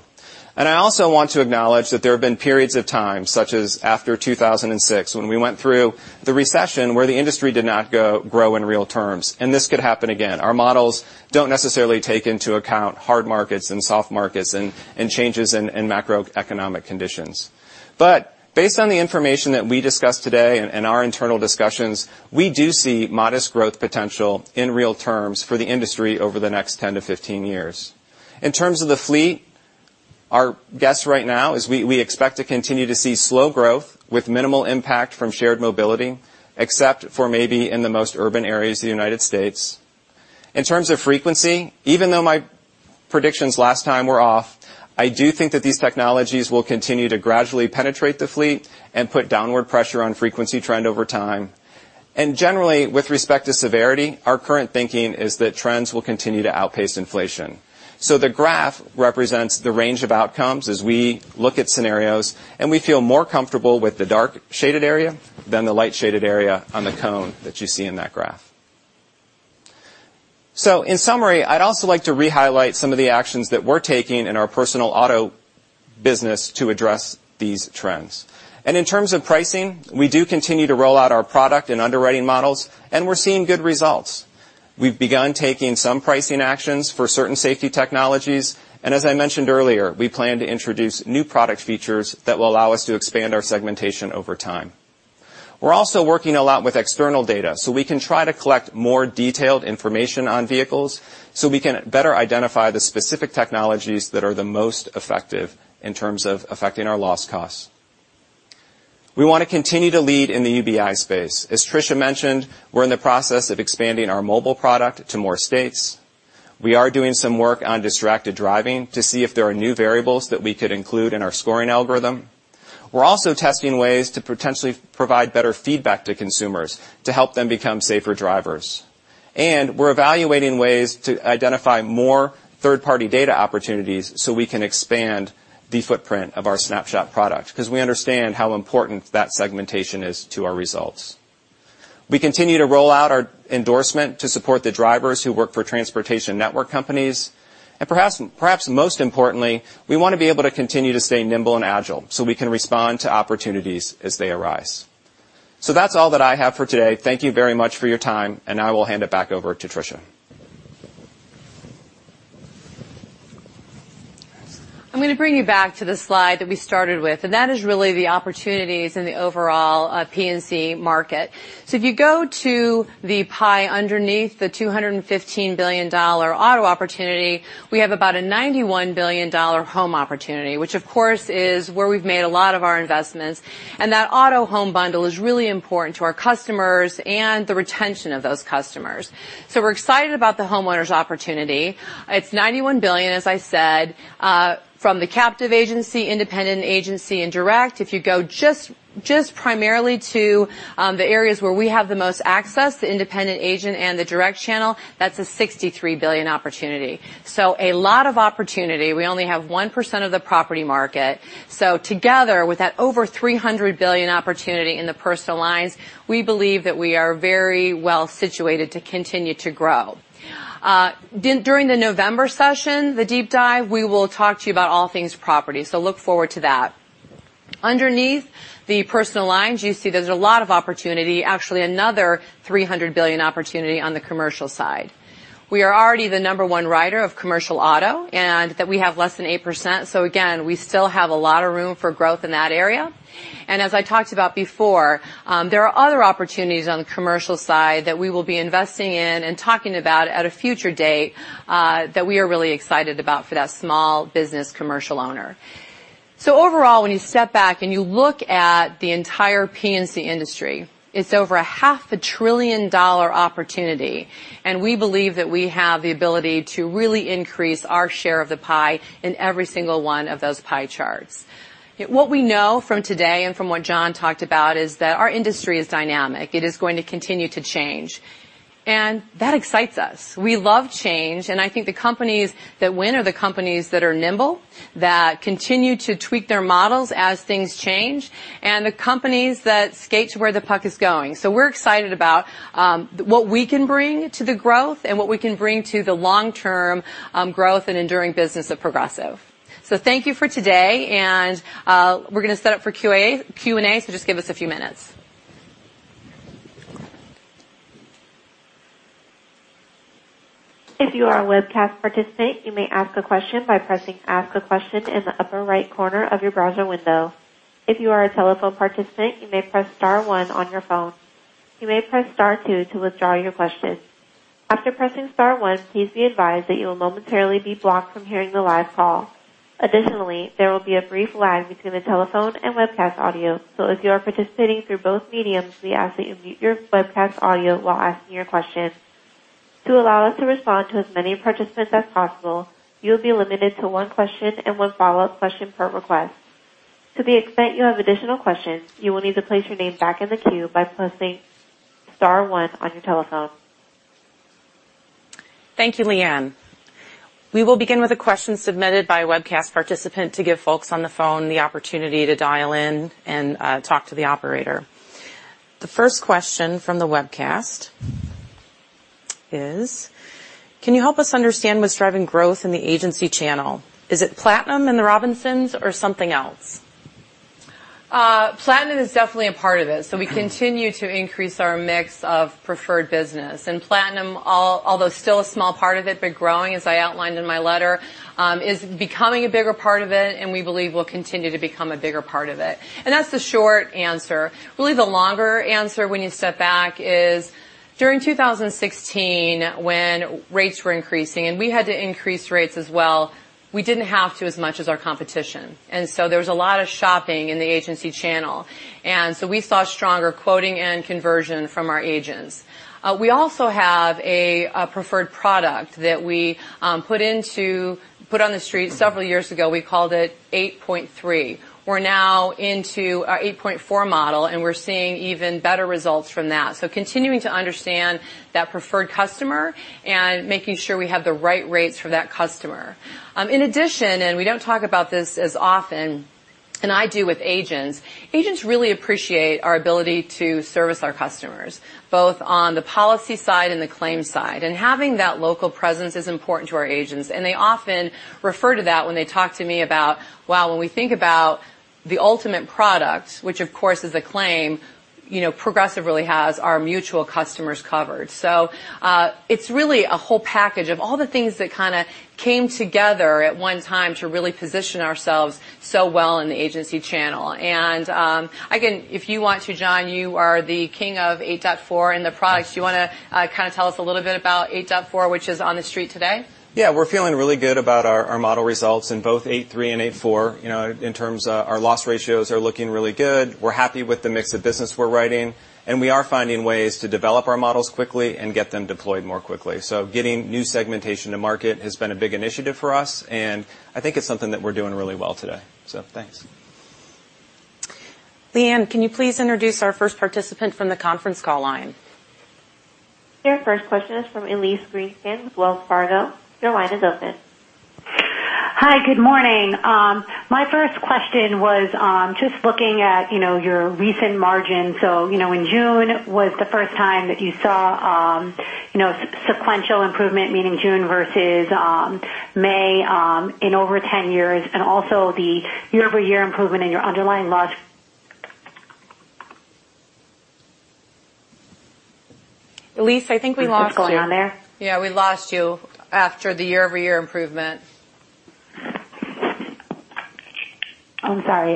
I also want to acknowledge that there have been periods of time, such as after 2006, when we went through the recession, where the industry did not grow in real terms, and this could happen again. Our models don't necessarily take into account hard markets and soft markets and changes in macroeconomic conditions. Based on the information that we discussed today and our internal discussions, we do see modest growth potential in real terms for the industry over the next 10 to 15 years. In terms of the fleet, our guess right now is we expect to continue to see slow growth with minimal impact from shared mobility, except for maybe in the most urban areas of the U.S. In terms of frequency, even though my predictions last time were off, I do think that these technologies will continue to gradually penetrate the fleet and put downward pressure on frequency trend over time. Generally, with respect to severity, our current thinking is that trends will continue to outpace inflation. The graph represents the range of outcomes as we look at scenarios, and we feel more comfortable with the dark shaded area than the light shaded area on the cone that you see in that graph. In summary, I'd also like to re-highlight some of the actions that we're taking in our personal auto business to address these trends. In terms of pricing, we do continue to roll out our product and underwriting models, and we're seeing good results. We've begun taking some pricing actions for certain safety technologies. As I mentioned earlier, we plan to introduce new product features that will allow us to expand our segmentation over time. We're also working a lot with external data, so we can try to collect more detailed information on vehicles so we can better identify the specific technologies that are the most effective in terms of affecting our loss costs. We want to continue to lead in the UBI space. As Tricia mentioned, we're in the process of expanding our mobile product to more states. We are doing some work on distracted driving to see if there are new variables that we could include in our scoring algorithm. We're also testing ways to potentially provide better feedback to consumers to help them become safer drivers. We're evaluating ways to identify more third-party data opportunities so we can expand the footprint of our Snapshot product because we understand how important that segmentation is to our results. We continue to roll out our endorsement to support the drivers who work for transportation network companies. Perhaps most importantly, we want to be able to continue to stay nimble and agile so we can respond to opportunities as they arise. That's all that I have for today. Thank you very much for your time, and now I will hand it back over to Tricia.
I'm going to bring you back to the slide that we started with, and that is really the opportunities in the overall P&C market. If you go to the pie underneath the $215 billion auto opportunity, we have about a $91 billion home opportunity, which, of course, is where we've made a lot of our investments. That auto home bundle is really important to our customers and the retention of those customers. We're excited about the homeowners opportunity. It's $91 billion, as I said, from the captive agency, independent agency, and direct. If you go just primarily to the areas where we have the most access, the independent agent and the direct channel, that's a $63 billion opportunity. A lot of opportunity. We only have 1% of the property market. Together, with that over $300 billion opportunity in the personal lines, we believe that we are very well situated to continue to grow. During the November session, the deep dive, we will talk to you about all things property. Look forward to that. Underneath the personal lines, you see there's a lot of opportunity. Actually, another $300 billion opportunity on the commercial side. We are already the number 1 writer of commercial auto, and that we have less than 8%. Again, we still have a lot of room for growth in that area. As I talked about before, there are other opportunities on the commercial side that we will be investing in and talking about at a future date, that we are really excited about for that small business commercial owner. Overall, when you step back and you look at the entire P&C industry, it's over a half a trillion dollar opportunity, and we believe that we have the ability to really increase our share of the pie in every single one of those pie charts. What we know from today and from what John talked about, is that our industry is dynamic. It is going to continue to change. That excites us. We love change, and I think the companies that win are the companies that are nimble, that continue to tweak their models as things change, and the companies that skate to where the puck is going. We're excited about what we can bring to the growth and what we can bring to the long-term growth and enduring business of Progressive. Thank you for today, and we're going to set up for Q&A, just give us a few minutes.
If you are a webcast participant, you may ask a question by pressing Ask a Question in the upper right corner of your browser window. If you are a telephone participant, you may press star one on your phone. You may press star two to withdraw your question. After pressing star one, please be advised that you will momentarily be blocked from hearing the live call. Additionally, there will be a brief lag between the telephone and webcast audio, so if you are participating through both mediums, we ask that you mute your webcast audio while asking your question. To allow us to respond to as many participants as possible, you will be limited to one question and one follow-up question per request. To the extent you have additional questions, you will need to place your name back in the queue by pressing star one on your telephone.
Thank you, Leanne. We will begin with a question submitted by a webcast participant to give folks on the phone the opportunity to dial in and talk to the operator. The first question from the webcast is: Can you help us understand what is driving growth in the agency channel? Is it Platinum and the Robinsons or something else?
Platinum is definitely a part of it. We continue to increase our mix of preferred business. Platinum, although still a small part of it, but growing, as I outlined in my letter, is becoming a bigger part of it and we believe will continue to become a bigger part of it. That is the short answer. Really, the longer answer when you step back is during 2016, when rates were increasing, and we had to increase rates as well, we did not have to as much as our competition. There was a lot of shopping in the agency channel. We saw stronger quoting and conversion from our agents. We also have a preferred product that we put on the street several years ago. We called it 8.3. We are now into our 8.4 model, and we are seeing even better results from that. Continuing to understand that preferred customer and making sure we have the right rates for that customer. In addition, we do not talk about this as often, and I do with agents really appreciate our ability to service our customers, both on the policy side and the claims side. Having that local presence is important to our agents, and they often refer to that when they talk to me about, well, when we think about the ultimate product, which of course is a claim, Progressive really has our mutual customers covered. It is really a whole package of all the things that kind of came together at one time to really position ourselves so well in the agency channel. If you want to, John, you are the king of 8.4 and the products. Do you want to kind of tell us a little bit about 8.4, which is on the street today?
Yeah. We're feeling really good about our model results in both 8.3 and 8.4 in terms our loss ratios are looking really good. We're happy with the mix of business we're writing. We are finding ways to develop our models quickly and get them deployed more quickly. Getting new segmentation to market has been a big initiative for us. I think it's something that we're doing really well today. Thanks.
Leanne, can you please introduce our first participant from the conference call line?
Your first question is from Elyse Greenspan, Wells Fargo. Your line is open.
Hi, good morning. My first question was just looking at your recent margin. In June was the first time that you saw sequential improvement, meaning June versus May, in over 10 years, and also the year-over-year improvement in your underlying loss.
Elyse, I think we lost you.
What's going on there?
Yeah, we lost you after the year-over-year improvement.
I'm sorry.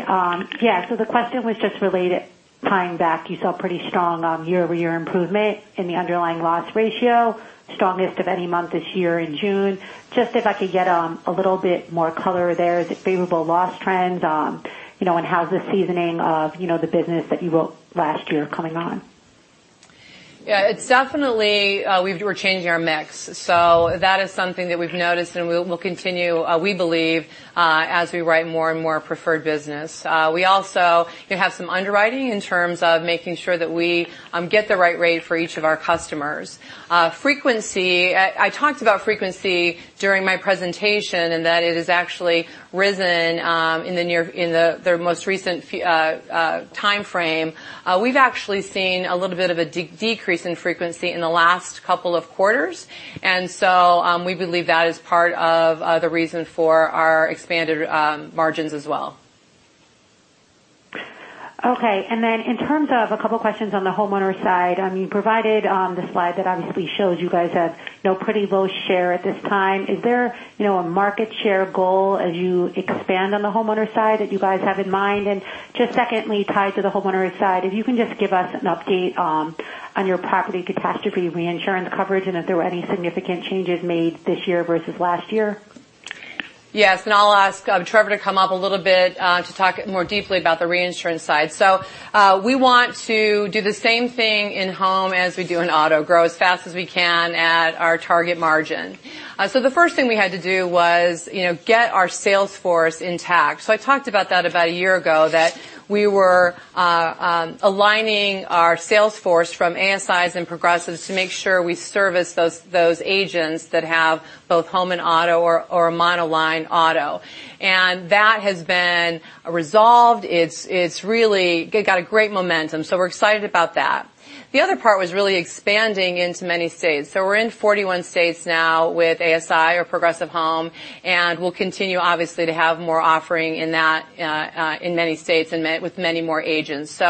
Yeah. The question was just related, tying back, you saw pretty strong year-over-year improvement in the underlying loss ratio, strongest of any month this year in June. Just if I could get a little bit more color there. The favorable loss trends. How's the seasoning of the business that you wrote last year coming on?
Yeah. It's definitely we're changing our mix. That is something that we've noticed and will continue, we believe, as we write more and more preferred business. We also have some underwriting in terms of making sure that we get the right rate for each of our customers. I talked about frequency during my presentation and that it has actually risen in the most recent timeframe. We've actually seen a little bit of a decrease in frequency in the last couple of quarters. We believe that is part of the reason for our expanded margins as well.
Okay. In terms of a couple questions on the homeowner side, you provided the slide that obviously shows you guys have pretty low share at this time. Is there a market share goal as you expand on the homeowner side that you guys have in mind? Just secondly, tied to the homeowner side, if you can just give us an update on your property catastrophe reinsurance coverage and if there were any significant changes made this year versus last year.
Yes. I'll ask Trevor to come up a little bit to talk more deeply about the reinsurance side. We want to do the same thing in Home as we do in Auto, grow as fast as we can at our target margin. The first thing we had to do was get our sales force intact. I talked about that about one year ago, that we were aligning our sales force from ASI's and Progressive's to make sure we service those agents that have both Home and Auto or a monoline Auto. That has been resolved. It's really got a great momentum. We're excited about that. The other part was really expanding into many states. We're in 41 states now with ASI or Progressive Home. We'll continue obviously to have more offering in many states and with many more agents.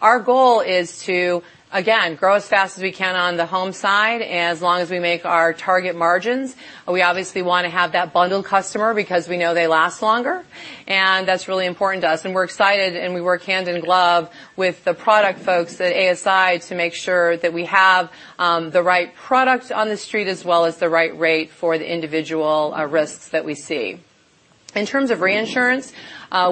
Our goal is to, again, grow as fast as we can on the home side, as long as we make our target margins. We obviously want to have that bundled customer because we know they last longer, and that's really important to us. We're excited, and we work hand in glove with the product folks at ASI to make sure that we have the right product on the street, as well as the right rate for the individual risks that we see. In terms of reinsurance,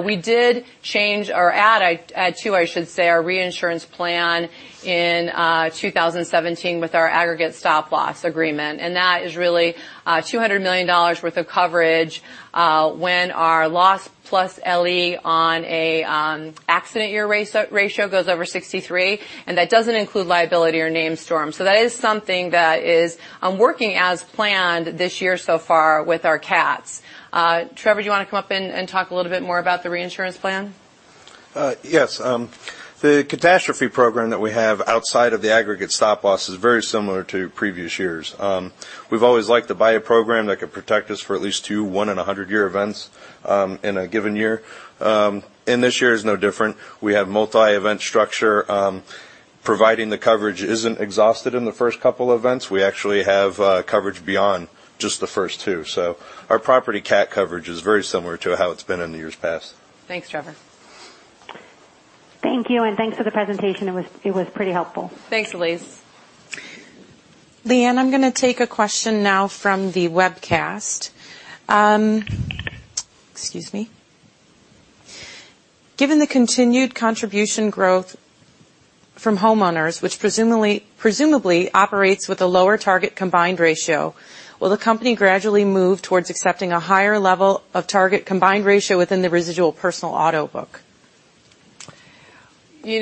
we did change or add, I should say, our reinsurance plan in 2017 with our aggregate stop loss agreement. That is really $200 million worth of coverage when our loss plus LE on an accident year ratio goes over 63, and that doesn't include liability or named storm. That is something that is working as planned this year so far with our CATs. Trevor, do you want to come up and talk a little bit more about the reinsurance plan?
Yes. The catastrophe program that we have outside of the aggregate stop loss is very similar to previous years. We've always liked to buy a program that could protect us for at least two, one in 100 year events in a given year. This year is no different. We have multi-event structure. Providing the coverage isn't exhausted in the first couple of events. We actually have coverage beyond just the first two. Our property CAT coverage is very similar to how it's been in the years past.
Thanks, Trevor.
Thank you. Thanks for the presentation. It was pretty helpful.
Thanks, Elyse.
Leanne, I'm going to take a question now from the webcast. Excuse me. Given the continued contribution growth from homeowners, which presumably operates with a lower target combined ratio, will the company gradually move towards accepting a higher level of target combined ratio within the residual personal auto book?
We've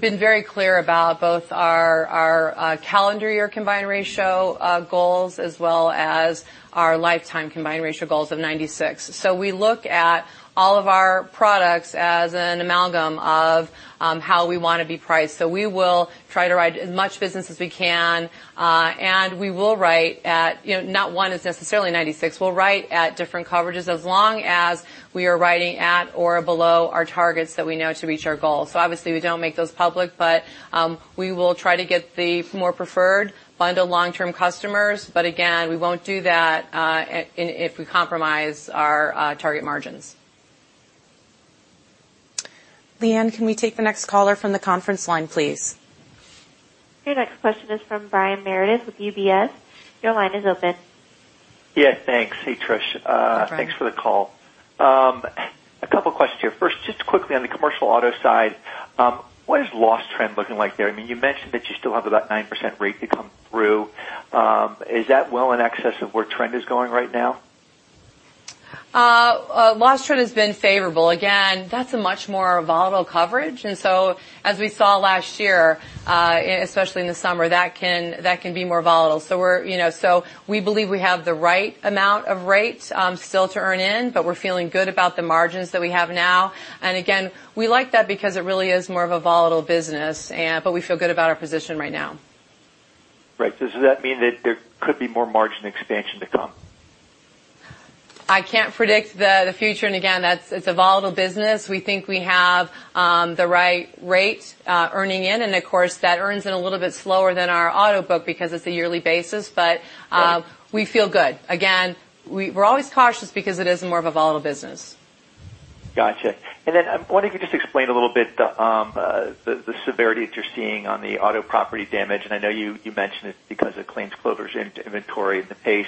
been very clear about both our calendar year combined ratio goals as well as our lifetime combined ratio goals of 96. We look at all of our products as an amalgam of how we want to be priced. We will try to write as much business as we can, and we will write at not one is necessarily 96. We'll write at different coverages as long as we are writing at or below our targets that we know to reach our goals. Obviously, we don't make those public, but we will try to get the more preferred bundle long-term customers. Again, we won't do that if we compromise our target margins.
Leanne, can we take the next caller from the conference line, please?
Your next question is from Brian Meredith with UBS. Your line is open.
Yeah, thanks. Hey, Trish.
Hi, Brian.
Thanks for the call. A couple questions here. First, just quickly on the commercial auto side, what is loss trend looking like there? You mentioned that you still have about 9% rate to come through. Is that well in excess of where trend is going right now?
Loss trend has been favorable. Again, that's a much more volatile coverage. As we saw last year, especially in the summer, that can be more volatile. We believe we have the right amount of rate still to earn in, but we're feeling good about the margins that we have now. Again, we like that because it really is more of a volatile business, but we feel good about our position right now.
Right. Does that mean that there could be more margin expansion to come?
I can't predict the future, and again, it's a volatile business. We think we have the right rate earning in, and of course, that earns in a little bit slower than our auto book because it's a yearly basis, but we feel good. Again, we're always cautious because it is more of a volatile business.
Got you. I wonder if you could just explain a little bit the severity that you're seeing on the auto property damage, I know you mentioned it because of claims closures inventory and the pace.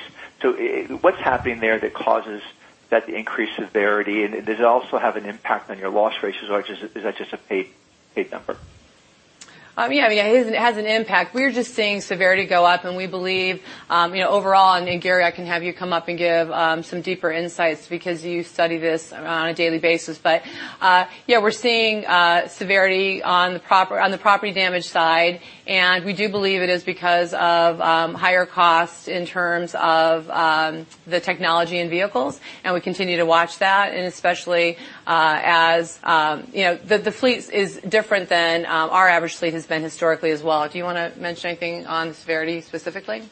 What's happening there that causes that increase severity, and does it also have an impact on your loss ratios, or is that just a paid number?
Yeah. It has an impact. We're just seeing severity go up, we believe overall, Gary, I can have you come up and give some deeper insights because you study this on a daily basis. Yeah, we're seeing severity on the property damage side, we do believe it is because of higher costs in terms of the technology in vehicles, we continue to watch that especially as the fleet is different than our average fleet has been historically as well. Do you want to mention anything on severity specifically?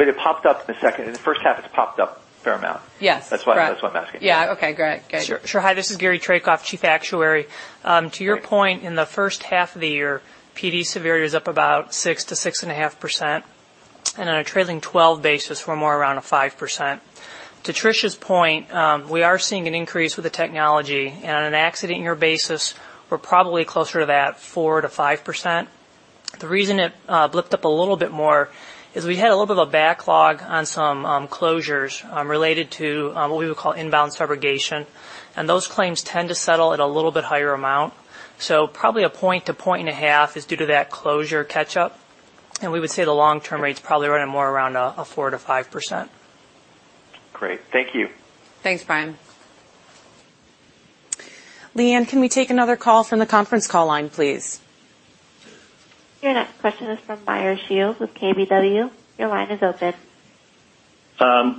It popped up in the second. In the first half, it's popped up a fair amount.
Yes.
That's why I'm asking.
Yeah. Okay, great.
Sure. Hi, this is Gary Trajkov, Chief Actuary. To your point, in the first half of the year, PD severity was up about 6%-6.5%, and on a trailing 12 basis, we're more around a 5%. To Tricia's point, we are seeing an increase with the technology. On an accident year basis, we're probably closer to that 4%-5%. The reason it blipped up a little bit more is we had a little bit of a backlog on some closures related to what we would call inbound subrogation, and those claims tend to settle at a little bit higher amount. Probably a point to point and a half is due to that closure catch-up, and we would say the long-term rate's probably running more around a 4%-5%.
Great. Thank you.
Thanks, Brian. Leanne, can we take another call from the conference call line, please?
Your next question is from Meyer Shields with KBW. Your line is open.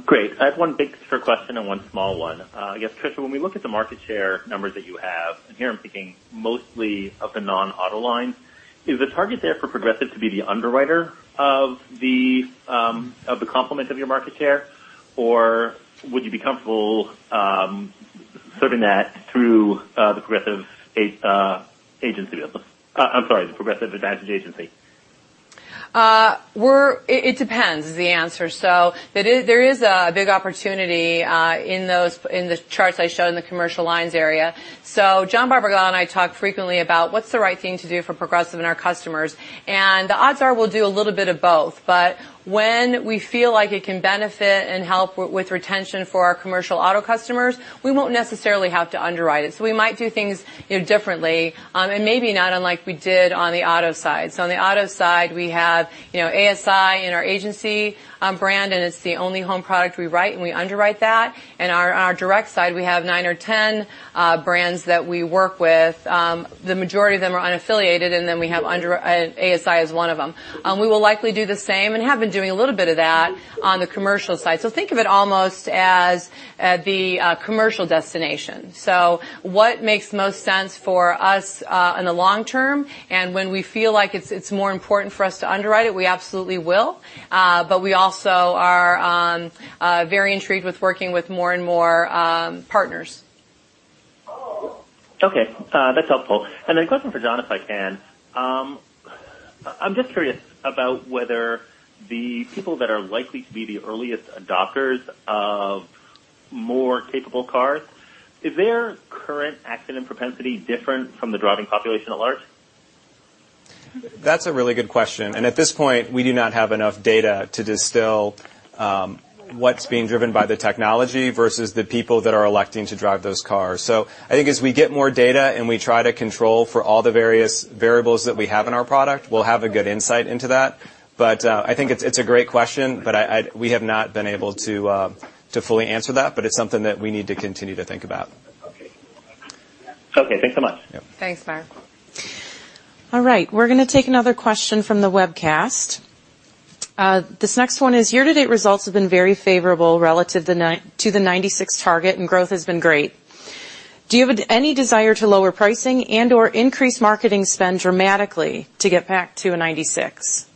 Great. I have one big picture question and one small one. I guess, Tricia, when we look at the market share numbers that you have, and here I'm thinking mostly of the non-auto line, is the target there for Progressive to be the underwriter of the complement of your market share? Or would you be comfortable serving that through the Progressive agency? I'm sorry, the Progressive Advantage Agency.
It depends, is the answer. There is a big opportunity in the charts I showed in the commercial lines area. John Barbagallo and I talk frequently about what's the right thing to do for Progressive and our customers, and the odds are we'll do a little bit of both. When we feel like it can benefit and help with retention for our commercial auto customers, we won't necessarily have to underwrite it. We might do things differently, and maybe not unlike we did on the auto side. On the auto side, we have ASI in our agency brand, and it's the only home product we write, and we underwrite that. In our direct side, we have nine or 10 brands that we work with. The majority of them are unaffiliated, and then we have under ASI as one of them. We will likely do the same and have been doing a little bit of that on the commercial side. Think of it almost as the commercial destination. What makes most sense for us in the long term, and when we feel like it's more important for us to underwrite it, we absolutely will. We also are very intrigued with working with more and more partners.
Okay. That's helpful. A question for John, if I can. I'm just curious about whether the people that are likely to be the earliest adopters of more capable cars, is their current accident propensity different from the driving population at large?
That's a really good question. At this point, we do not have enough data to distill what's being driven by the technology versus the people that are electing to drive those cars. I think as we get more data and we try to control for all the various variables that we have in our product, we'll have a good insight into that. I think it's a great question, but we have not been able to fully answer that, but it's something that we need to continue to think about.
Okay. Thanks so much.
Thanks, Meyer. All right. We're going to take another question from the webcast. This next one is, year-to-date results have been very favorable relative to the 96 target, and growth has been great. Do you have any desire to lower pricing and/or increase marketing spend dramatically to get back to a 96?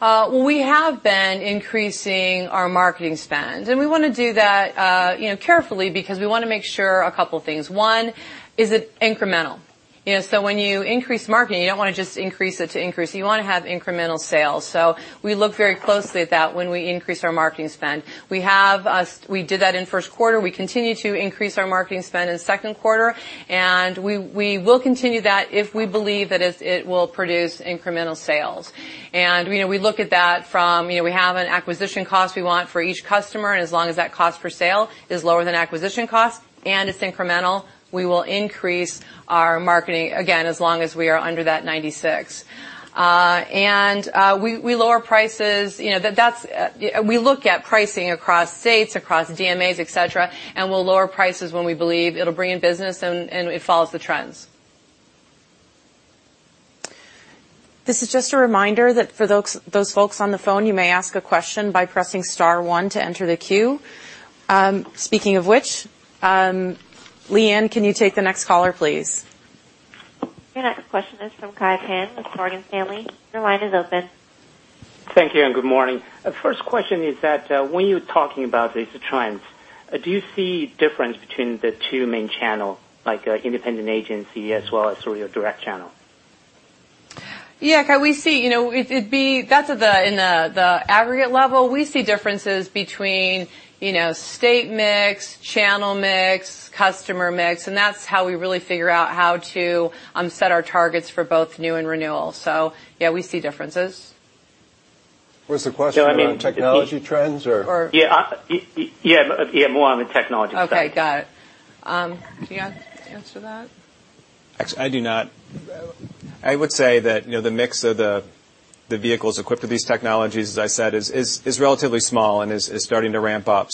We have been increasing our marketing spend, we want to do that carefully because we want to make sure a couple things. One, is it incremental? When you increase marketing, you don't want to just increase it to increase. You want to have incremental sales. We look very closely at that when we increase our marketing spend. We did that in first quarter. We continue to increase our marketing spend in second quarter, we will continue that if we believe that it will produce incremental sales. We look at that from we have an acquisition cost we want for each customer, and as long as that cost per sale is lower than acquisition cost and it's incremental, we will increase our marketing again, as long as we are under that 96. We lower prices. We look at pricing across states, across DMAs, et cetera, and we'll lower prices when we believe it'll bring in business and it follows the trends. This is just a reminder that for those folks on the phone, you may ask a question by pressing star one to enter the queue. Speaking of which, Leanne, can you take the next caller, please?
Your next question is from Kai Pan with Morgan Stanley. Your line is open.
Thank you, and good morning. First question is that when you're talking about these trends, do you see difference between the two main channel, like independent agency as well as through your direct channel?
Yeah, Kai, in the aggregate level, we see differences between state mix, channel mix, customer mix, that's how we really figure out how to set our targets for both new and renewal. Yeah, we see differences.
Was the question around technology trends or?
Yeah, more on the technology side.
Okay, got it. Do you answer that?
I do not. I would say that the mix of the vehicles equipped with these technologies, as I said, is relatively small and is starting to ramp up.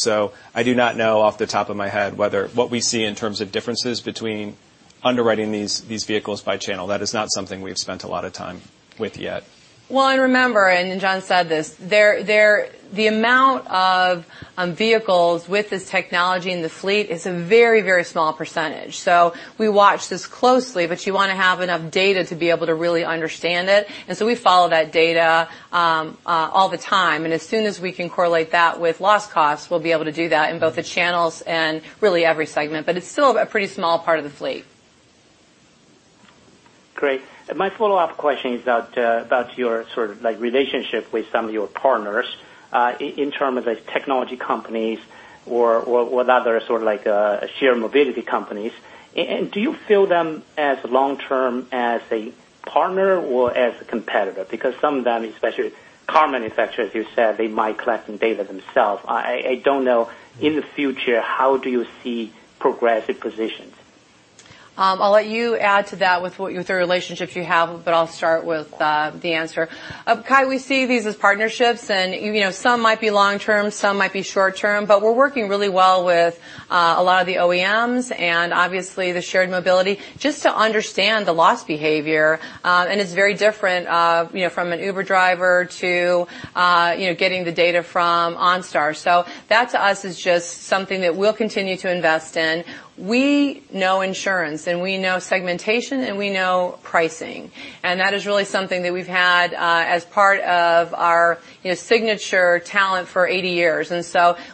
I do not know off the top of my head whether what we see in terms of differences between underwriting these vehicles by channel, that is not something we've spent a lot of time with yet.
Well, remember, John said this, the amount of vehicles with this technology in the fleet is a very, very small percentage. We watch this closely, but you want to have enough data to be able to really understand it. We follow that data all the time, and as soon as we can correlate that with loss costs, we'll be able to do that in both the channels and really every segment. It's still a pretty small part of the fleet.
Great. My follow-up question is about your relationship with some of your partners in terms of the technology companies or with other sort of shared mobility companies. Do you view them as long-term as a partner or as a competitor? Because some of them, especially car manufacturers, you said they might collect some data themselves. I don't know, in the future, how do you see Progressive positions?
I'll let you add to that with the relationships you have, but I'll start with the answer. Kai, we see these as partnerships, and some might be long-term, some might be short-term, but we're working really well with a lot of the OEMs and obviously the shared mobility just to understand the loss behavior. It's very different from an Uber driver to getting the data from OnStar. That to us is just something that we'll continue to invest in. We know insurance, and we know segmentation, and we know pricing. That is really something that we've had as part of our signature talent for 80 years.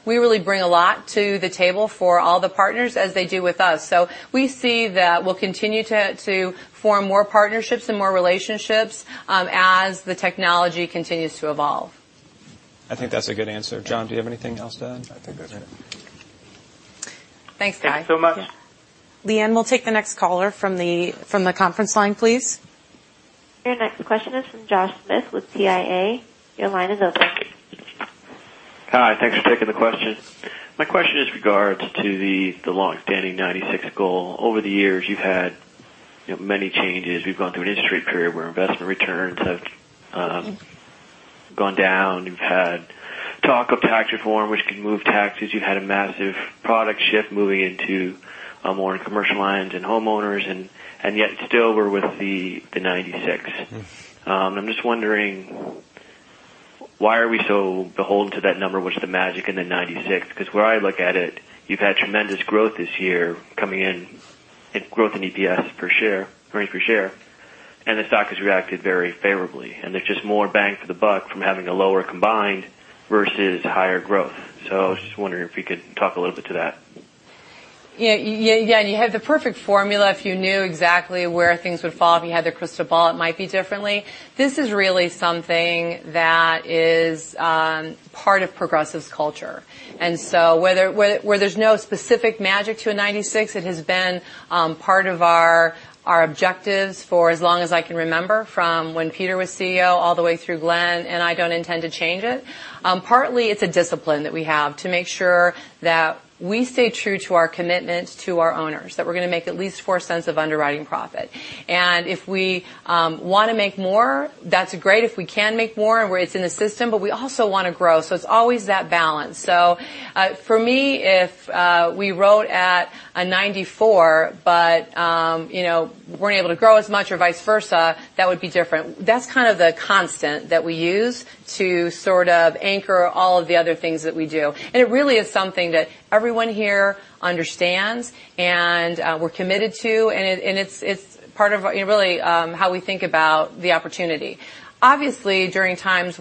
We really bring a lot to the table for all the partners as they do with us. We see that we'll continue to form more partnerships and more relationships as the technology continues to evolve.
I think that's a good answer. John, do you have anything else to add?
I think that's it.
Thanks, Kai.
Thanks so much.
Yeah.
Leanne, we'll take the next caller from the conference line, please.
Your next question is from Josh Smith with TIAA. Your line is open.
Hi. Thanks for taking the question. My question is regards to the longstanding 96 goal. Over the years, you've had many changes. We've gone through an industry period where investment returns have gone down. You've had talk of tax reform, which can move taxes. You've had a massive product shift moving into more commercial lines and homeowners, yet still we're with the 96. I'm just wondering, why are we so beholden to that number? What's the magic in the 96? Where I look at it, you've had tremendous growth this year coming in, growth in EPS per share, earnings per share, and the stock has reacted very favorably, and there's just more bang for the buck from having a lower combined versus higher growth. I was just wondering if you could talk a little bit to that.
Yeah. You have the perfect formula if you knew exactly where things would fall. If you had the crystal ball, it might be differently. This is really something that is part of Progressive's culture. Where there's no specific magic to a 96, it has been part of our objectives for as long as I can remember, from when Peter was CEO all the way through Glenn, and I don't intend to change it. Partly, it's a discipline that we have to make sure that we stay true to our commitment to our owners, that we're going to make at least $0.04 of underwriting profit. If we want to make more, that's great. If we can make more and where it's in the system, but we also want to grow. It's always that balance. For me, if we wrote at a 94 but weren't able to grow as much or vice versa, that would be different. That's kind of the constant that we use to sort of anchor all of the other things that we do. It really is something that everyone here understands, and we're committed to, and it's part of really how we think about the opportunity. Obviously, during times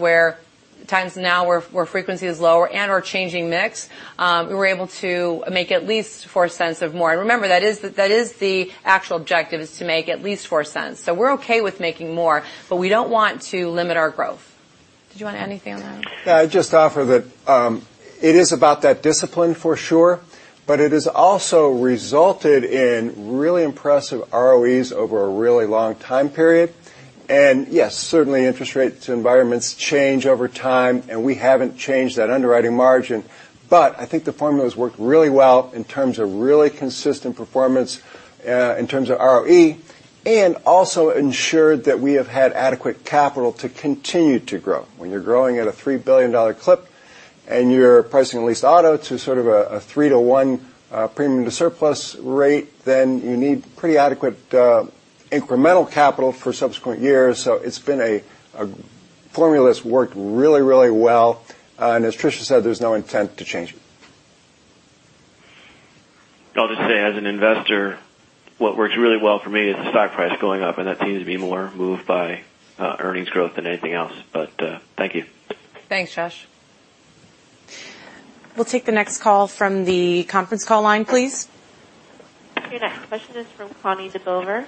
now where frequency is lower and/or changing mix, we were able to make at least $0.04 of more. Remember, that is the actual objective is to make at least $0.04. We're okay with making more, but we don't want to limit our growth. Did you want to add anything on that one?
I'd just offer that it is about that discipline for sure, but it has also resulted in really impressive ROEs over a really long time period. Yes, certainly interest rates environments change over time, and we haven't changed that underwriting margin. I think the formula has worked really well in terms of really consistent performance in terms of ROE and also ensured that we have had adequate capital to continue to grow. When you're growing at a $3 billion clip and you're pricing leased auto to sort of a 3:1 premium to surplus rate, then you need pretty adequate incremental capital for subsequent years. It's been a formula that's worked really, really well. As Tricia said, there's no intent to change it.
I'll just say, as an investor, what works really well for me is the stock price going up, and that seems to be more moved by earnings growth than anything else. Thank you.
Thanks, Josh.
We'll take the next call from the conference call line, please.
Your next question is from Connie DeBoever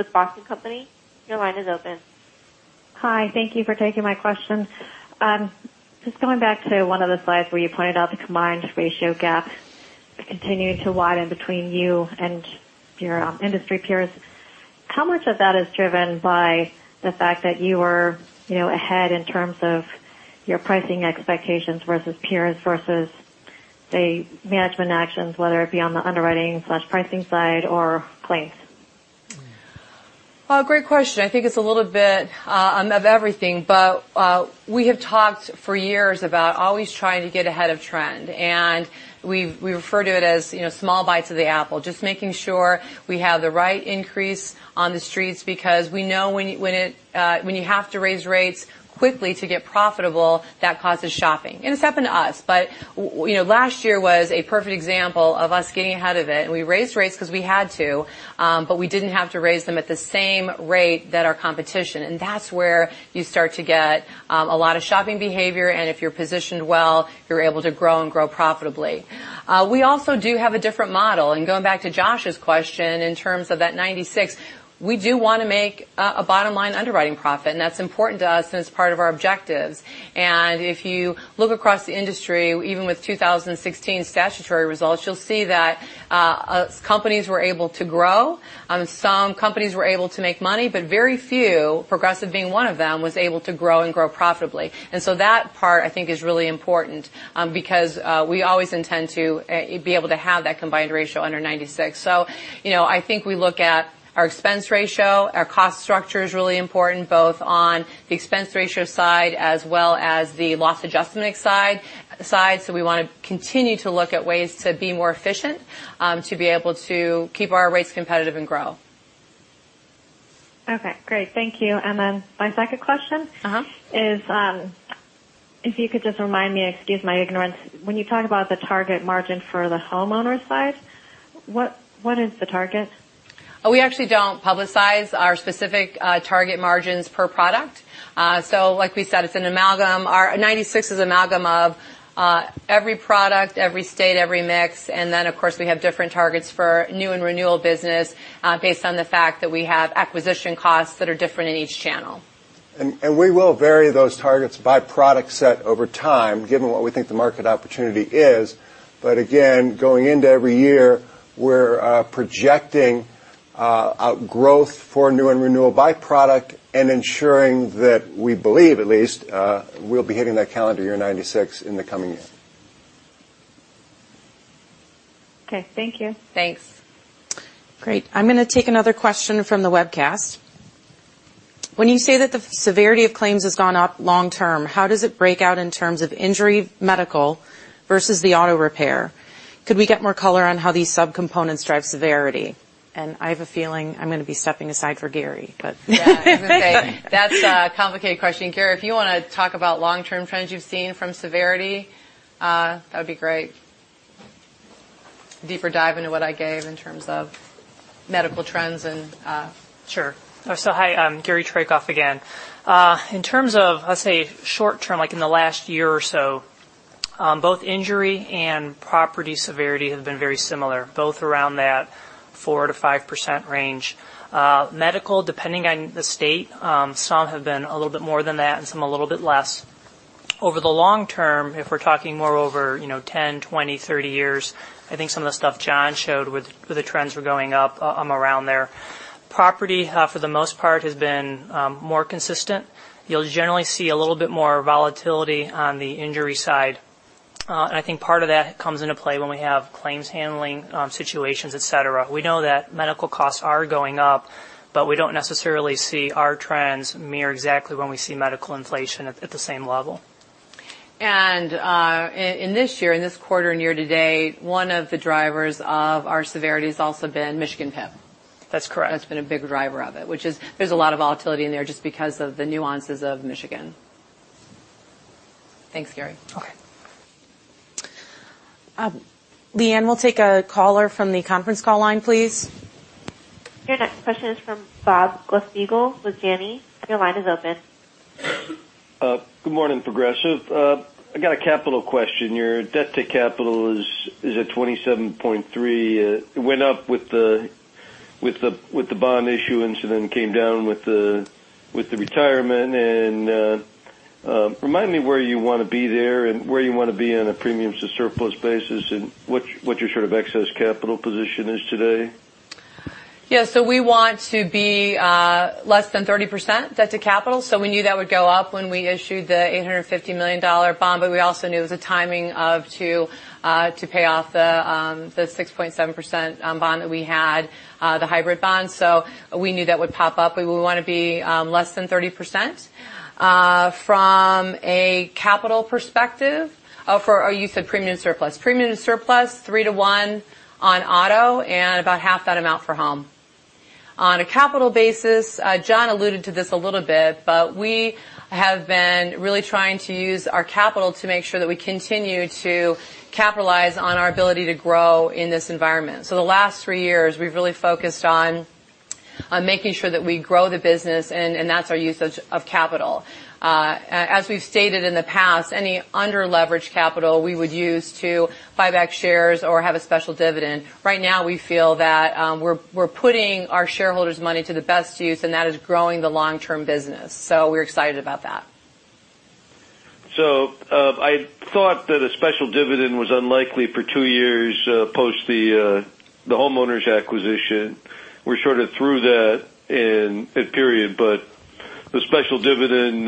with The Boston Company. Your line is open.
Hi. Thank you for taking my question. Just going back to one of the slides where you pointed out the combined ratio gap continuing to widen between you and your industry peers, how much of that is driven by the fact that you were ahead in terms of your pricing expectations versus peers versus the management actions, whether it be on the underwriting/pricing side or claims?
Great question. I think it's a little bit of everything. We have talked for years about always trying to get ahead of trend, we refer to it as small bites of the apple, just making sure we have the right increase on the streets because we know when you have to raise rates quickly to get profitable, that causes shopping. It's happened to us, last year was a perfect example of us getting ahead of it, we raised rates because we had to, but we didn't have to raise them at the same rate that our competition. That's where you start to get a lot of shopping behavior, if you're positioned well, you're able to grow and grow profitably. We also do have a different model. Going back to Josh's question in terms of that 96, we do want to make a bottom-line underwriting profit, that's important to us, it's part of our objectives. If you look across the industry, even with 2016 statutory results, you'll see that companies were able to grow. Some companies were able to make money, but very few, Progressive being one of them, was able to grow and grow profitably. That part, I think, is really important because we always intend to be able to have that combined ratio under 96. I think we look at our expense ratio. Our cost structure is really important, both on the expense ratio side as well as the loss adjustment side. We want to continue to look at ways to be more efficient to be able to keep our rates competitive and grow.
Okay, great. Thank you. My second question is if you could just remind me, excuse my ignorance, when you talk about the target margin for the homeowner side, what is the target?
We actually don't publicize our specific target margins per product. Like we said, it's an amalgam. Our 96% is amalgam of every product, every state, every mix. Of course, we have different targets for new and renewal business based on the fact that we have acquisition costs that are different in each channel.
We will vary those targets by product set over time, given what we think the market opportunity is. Again, going into every year, we're projecting growth for new and renewal by product and ensuring that we believe at least we'll be hitting that calendar year 96% in the coming year.
Okay. Thank you.
Thanks.
Great. I'm going to take another question from the webcast. When you say that the severity of claims has gone up long term, how does it break out in terms of injury medical versus the auto repair? Could we get more color on how these subcomponents drive severity? I have a feeling I'm going to be stepping aside for Gary.
Yeah. That's okay. That's a complicated question. Gary, if you want to talk about long term trends you've seen from severity, that would be great.
Sure. Hi, I'm Gary Trajkov again. In terms of, let's say, short term, like in the last year or so, both injury and property severity have been very similar, both around that 4%-5% range. Medical, depending on the state, some have been a little bit more than that and some a little bit less. Over the long term, if we're talking more over 10, 20, 30 years, I think some of the stuff John showed where the trends were going up around there. Property, for the most part, has been more consistent. You'll generally see a little bit more volatility on the injury side. I think part of that comes into play when we have claims handling situations, et cetera. We know that medical costs are going up, but we don't necessarily see our trends mirror exactly when we see medical inflation at the same level.
In this year, in this quarter and year to date, one of the drivers of our severity has also been Michigan PIP.
That's correct.
That's been a big driver of it, which there's a lot of volatility in there just because of the nuances of Michigan. Thanks, Gary.
Okay.
Leanne will take a caller from the conference call line, please.
Your next question is from Bob Glasspiegel with Janney. Your line is open.
Good morning, Progressive. I got a capital question. Your debt to capital is at 27.3. It went up with the bond issuance and came down with the retirement. Remind me where you want to be there and where you want to be on a premium to surplus basis and what your sort of excess capital position is today.
We want to be less than 30% debt to capital. We knew that would go up when we issued the $850 million bond. We also knew it was a timing to pay off the 6.7% bond that we had, the hybrid bond. We knew that would pop up. We would want to be less than 30%. From a capital perspective, for our use of premium surplus. Premium to surplus, three to one on auto and about half that amount for home. On a capital basis, John alluded to this a little bit. We have been really trying to use our capital to make sure that we continue to capitalize on our ability to grow in this environment. The last three years, we've really focused on making sure that we grow the business, and that's our usage of capital. As we've stated in the past, any under leveraged capital we would use to buy back shares or have a special dividend. Right now we feel that we're putting our shareholders' money to the best use, and that is growing the long term business. We're excited about that.
I thought that a special dividend was unlikely for two years post the homeowners acquisition. We're sort of through that period.
The special dividend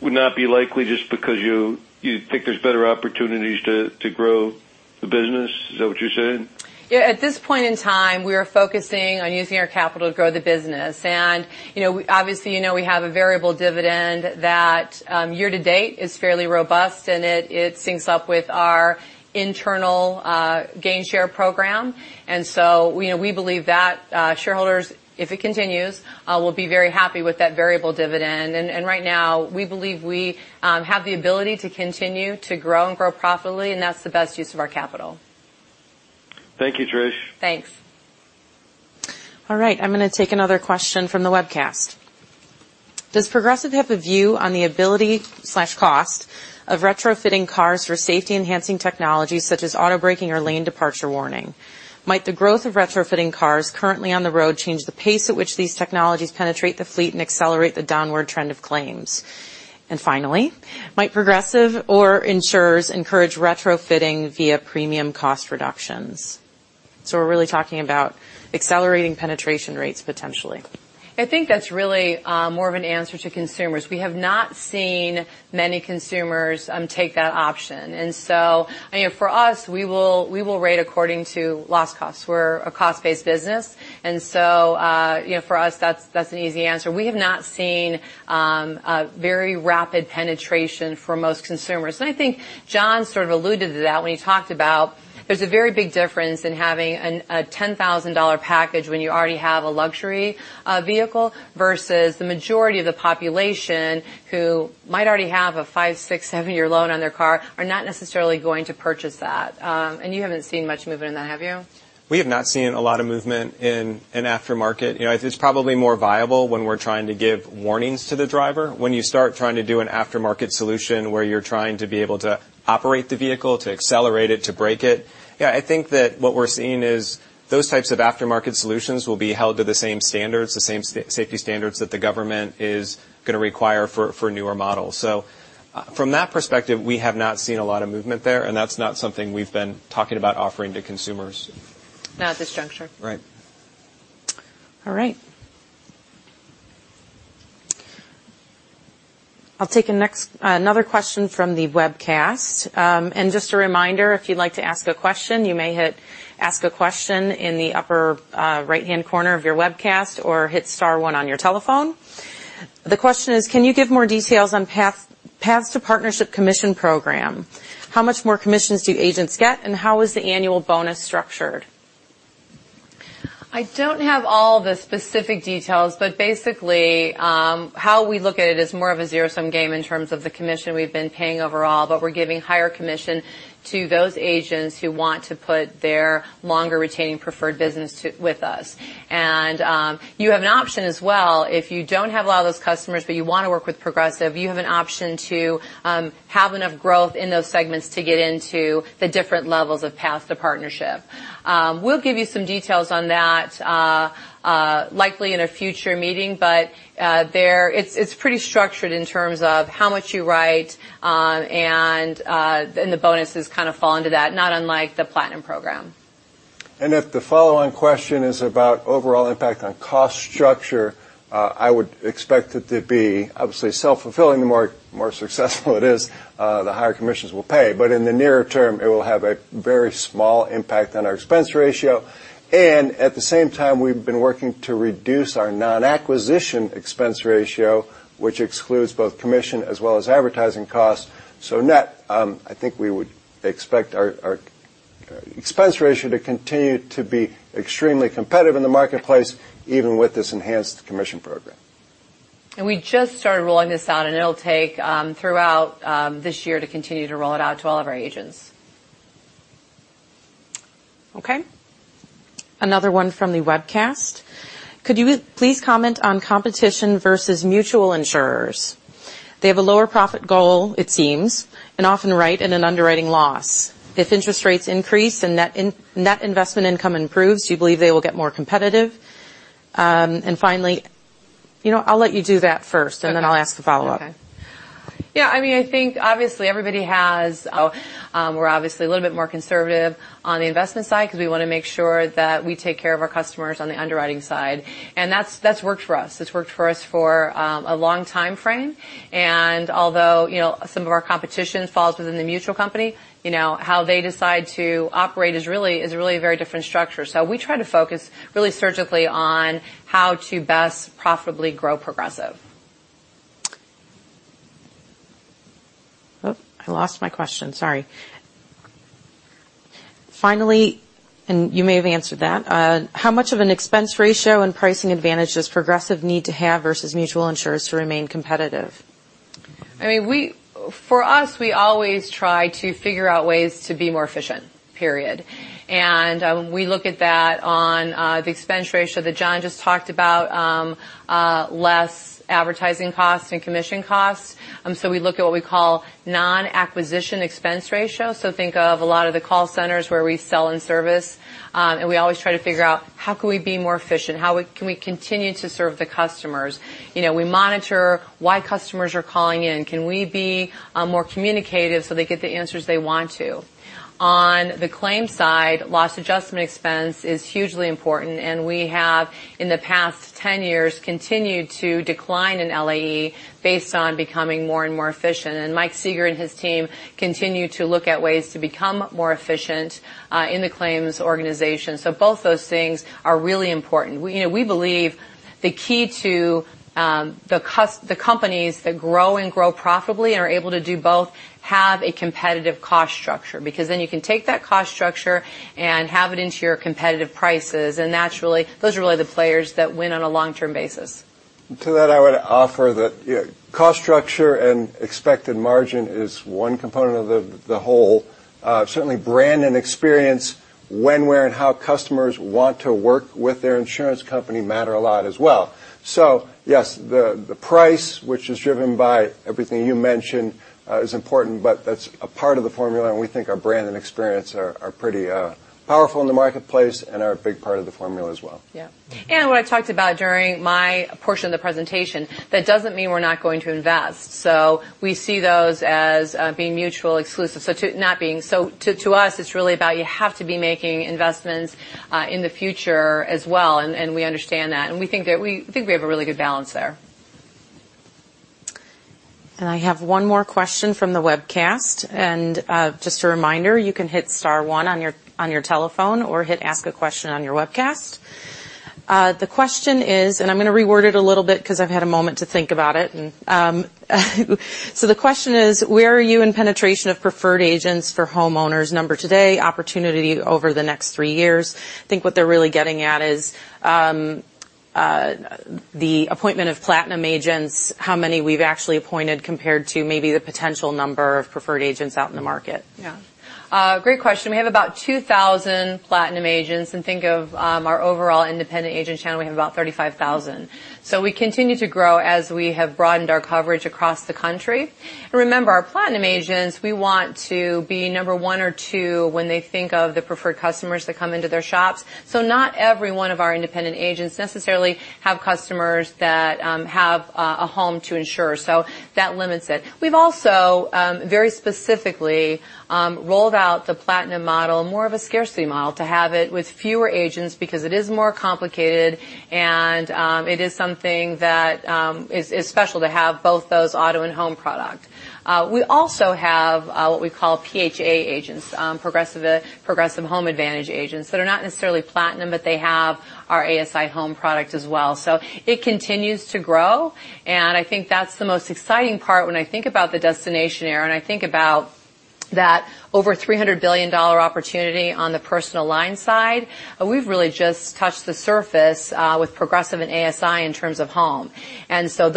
would not be likely just because you think there's better opportunities to grow the business? Is that what you're saying?
Yeah. At this point in time, we are focusing on using our capital to grow the business. Obviously, we have a variable dividend that year-to-date is fairly robust, and it syncs up with our internal gain-share program. We believe that shareholders, if it continues, will be very happy with that variable dividend. Right now, we believe we have the ability to continue to grow and grow profitably, and that's the best use of our capital.
Thank you, Trish.
Thanks.
All right. I'm going to take another question from the webcast. Does Progressive have a view on the ability/cost of retrofitting cars for safety-enhancing technologies such as auto braking or lane departure warning? Might the growth of retrofitting cars currently on the road change the pace at which these technologies penetrate the fleet and accelerate the downward trend of claims? Finally, might Progressive or insurers encourage retrofitting via premium cost reductions? We're really talking about accelerating penetration rates potentially.
I think that's really more of an answer to consumers. We have not seen many consumers take that option. For us, we will rate according to loss costs. We're a cost-based business. For us, that's an easy answer. We have not seen a very rapid penetration for most consumers. I think John sort of alluded to that when he talked about there's a very big difference in having a $10,000 package when you already have a luxury vehicle versus the majority of the population who might already have a five, six, seven year loan on their car, are not necessarily going to purchase that. You haven't seen much movement in that, have you?
We have not seen a lot of movement in aftermarket. It's probably more viable when we're trying to give warnings to the driver. When you start trying to do an aftermarket solution where you're trying to be able to operate the vehicle, to accelerate it, to brake it. Yeah, I think that what we're seeing is those types of aftermarket solutions will be held to the same standards, the same safety standards that the government is going to require for newer models. From that perspective, we have not seen a lot of movement there, and that's not something we've been talking about offering to consumers.
Not at this juncture.
Right.
All right. I'll take another question from the webcast. Just a reminder, if you'd like to ask a question, you may hit Ask A Question in the upper right-hand corner of your webcast or hit star one on your telephone. The question is, can you give more details on Paths to Partnership Commission program? How much more commissions do agents get, and how is the annual bonus structured?
I don't have all the specific details, but basically, how we look at it is more of a zero-sum game in terms of the commission we've been paying overall, but we're giving higher commission to those agents who want to put their longer retaining preferred business with us. You have an option as well, if you don't have a lot of those customers, but you want to work with Progressive, you have an option to have enough growth in those segments to get into the different levels of Paths to Partnership. We'll give you some details on that likely in a future meeting, but it's pretty structured in terms of how much you write, the bonuses kind of fall into that, not unlike the Platinum program.
If the follow-on question is about overall impact on cost structure, I would expect it to be obviously self-fulfilling. The more successful it is, the higher commissions we'll pay. In the nearer term, it will have a very small impact on our expense ratio. At the same time, we've been working to reduce our non-acquisition expense ratio, which excludes both commission as well as advertising costs. Net, I think we would expect our expense ratio to continue to be extremely competitive in the marketplace, even with this enhanced commission program.
We just started rolling this out, and it'll take throughout this year to continue to roll it out to all of our agents.
Okay. Another one from the webcast. Could you please comment on competition versus mutual insurers? They have a lower profit goal, it seems, and often write in an underwriting loss. If interest rates increase and net investment income improves, do you believe they will get more competitive? I'll let you do that first, and then I'll ask the follow-up.
I think obviously everybody has. We're obviously a little bit more conservative on the investment side because we want to make sure that we take care of our customers on the underwriting side, and that's worked for us. It's worked for us for a long timeframe. Although some of our competition falls within the mutual company, how they decide to operate is really a very different structure. We try to focus really surgically on how to best profitably grow Progressive.
Oh, I lost my question. Sorry. Finally, you may have answered that, how much of an expense ratio and pricing advantage does Progressive need to have versus mutual insurers to remain competitive?
For us, we always try to figure out ways to be more efficient, period. We look at that on the expense ratio that John just talked about, less advertising costs and commission costs. We look at what we call non-acquisition expense ratio. Think of a lot of the call centers where we sell and service. We always try to figure out how can we be more efficient, how can we continue to serve the customers. We monitor why customers are calling in. Can we be more communicative so they get the answers they want to? On the claims side, loss adjustment expense is hugely important. We have, in the past 10 years, continued to decline in LAE based on becoming more and more efficient. Michael Sieger and his team continue to look at ways to become more efficient in the claims organization. Both those things are really important. We believe the key to the companies that grow and grow profitably and are able to do both have a competitive cost structure, because then you can take that cost structure and have it into your competitive prices. Naturally, those are really the players that win on a long-term basis.
To that, I would offer that cost structure and expected margin is one component of the whole. Certainly brand and experience, when, where, and how customers want to work with their insurance company matter a lot as well. Yes, the price, which is driven by everything you mentioned, is important, but that's a part of the formula, and we think our brand and experience are pretty powerful in the marketplace and are a big part of the formula as well.
Yeah. What I talked about during my portion of the presentation, that doesn't mean we're not going to invest. We see those as being mutual exclusive. To us, it's really about you have to be making investments in the future as well, and we understand that. We think we have a really good balance there.
I have one more question from the webcast. Just a reminder, you can hit star one on your telephone or hit ask a question on your webcast. The question is, I'm going to reword it a little bit because I've had a moment to think about it. The question is, where are you in penetration of preferred agents for homeowners number today, opportunity over the next three years? I think what they're really getting at is the appointment of Platinum agents, how many we've actually appointed compared to maybe the potential number of preferred agents out in the market.
Yeah. Great question. We have about 2,000 Platinum agents, think of our overall independent agent channel, we have about 35,000. We continue to grow as we have broadened our coverage across the country. Remember, our Platinum agents, we want to be number one or two when they think of the preferred customers that come into their shops. Not every one of our independent agents necessarily have customers that have a home to insure. That limits it. We've also very specifically rolled out the Platinum model, more of a scarcity model, to have it with fewer agents because it is more complicated, and it is something that is special to have both those auto and home product. We also have what we call PHA agents, Progressive Home Advantage agents, that are not necessarily Platinum, but they have our ASI home product as well. It continues to grow, I think that's the most exciting part when I think about the destination era, I think about that over $300 billion opportunity on the personal line side. We've really just touched the surface with Progressive and ASI in terms of home.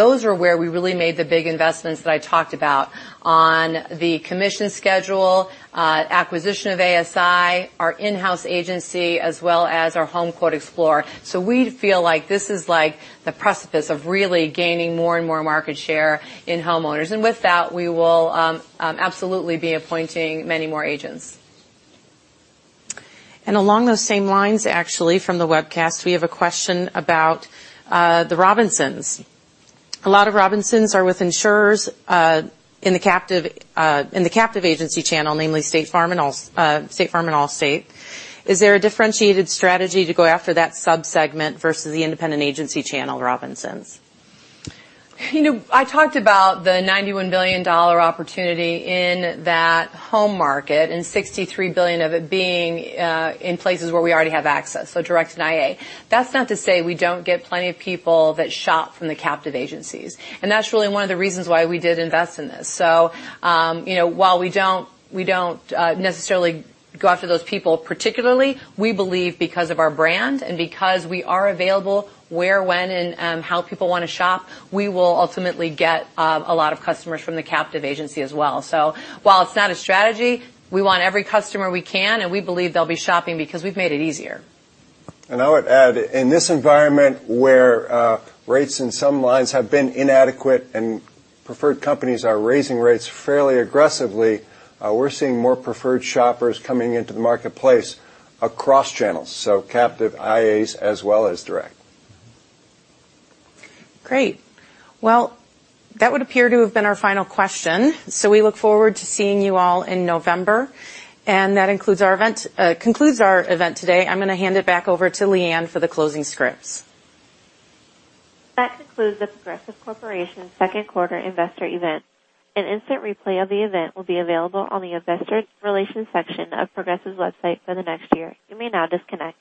Those are where we really made the big investments that I talked about on the commission schedule, acquisition of ASI, our in-house agency, as well as our HomeQuote Explorer. We feel like this is the precipice of really gaining more and more market share in homeowners. With that, we will absolutely be appointing many more agents.
Along those same lines, actually, from the webcast, we have a question about the Robinsons. A lot of Robinsons are with insurers in the captive agency channel, namely State Farm and Allstate. Is there a differentiated strategy to go after that subsegment versus the independent agency channel Robinsons?
I talked about the $91 billion opportunity in that home market and $63 billion of it being in places where we already have access, direct and IA. That's not to say we don't get plenty of people that shop from the captive agencies. That's really one of the reasons why we did invest in this. While we don't necessarily go after those people particularly, we believe because of our brand and because we are available where, when, and how people want to shop, we will ultimately get a lot of customers from the captive agency as well. While it's not a strategy, we want every customer we can, and we believe they'll be shopping because we've made it easier.
I would add, in this environment where rates in some lines have been inadequate and preferred companies are raising rates fairly aggressively, we're seeing more preferred shoppers coming into the marketplace across channels, captive IAs as well as direct.
Great. Well, that would appear to have been our final question. We look forward to seeing you all in November. That concludes our event today. I'm going to hand it back over to Leanne for the closing scripts.
That concludes The Progressive Corporation second quarter investor event. An instant replay of the event will be available on the investor relations section of Progressive's website for the next year. You may now disconnect.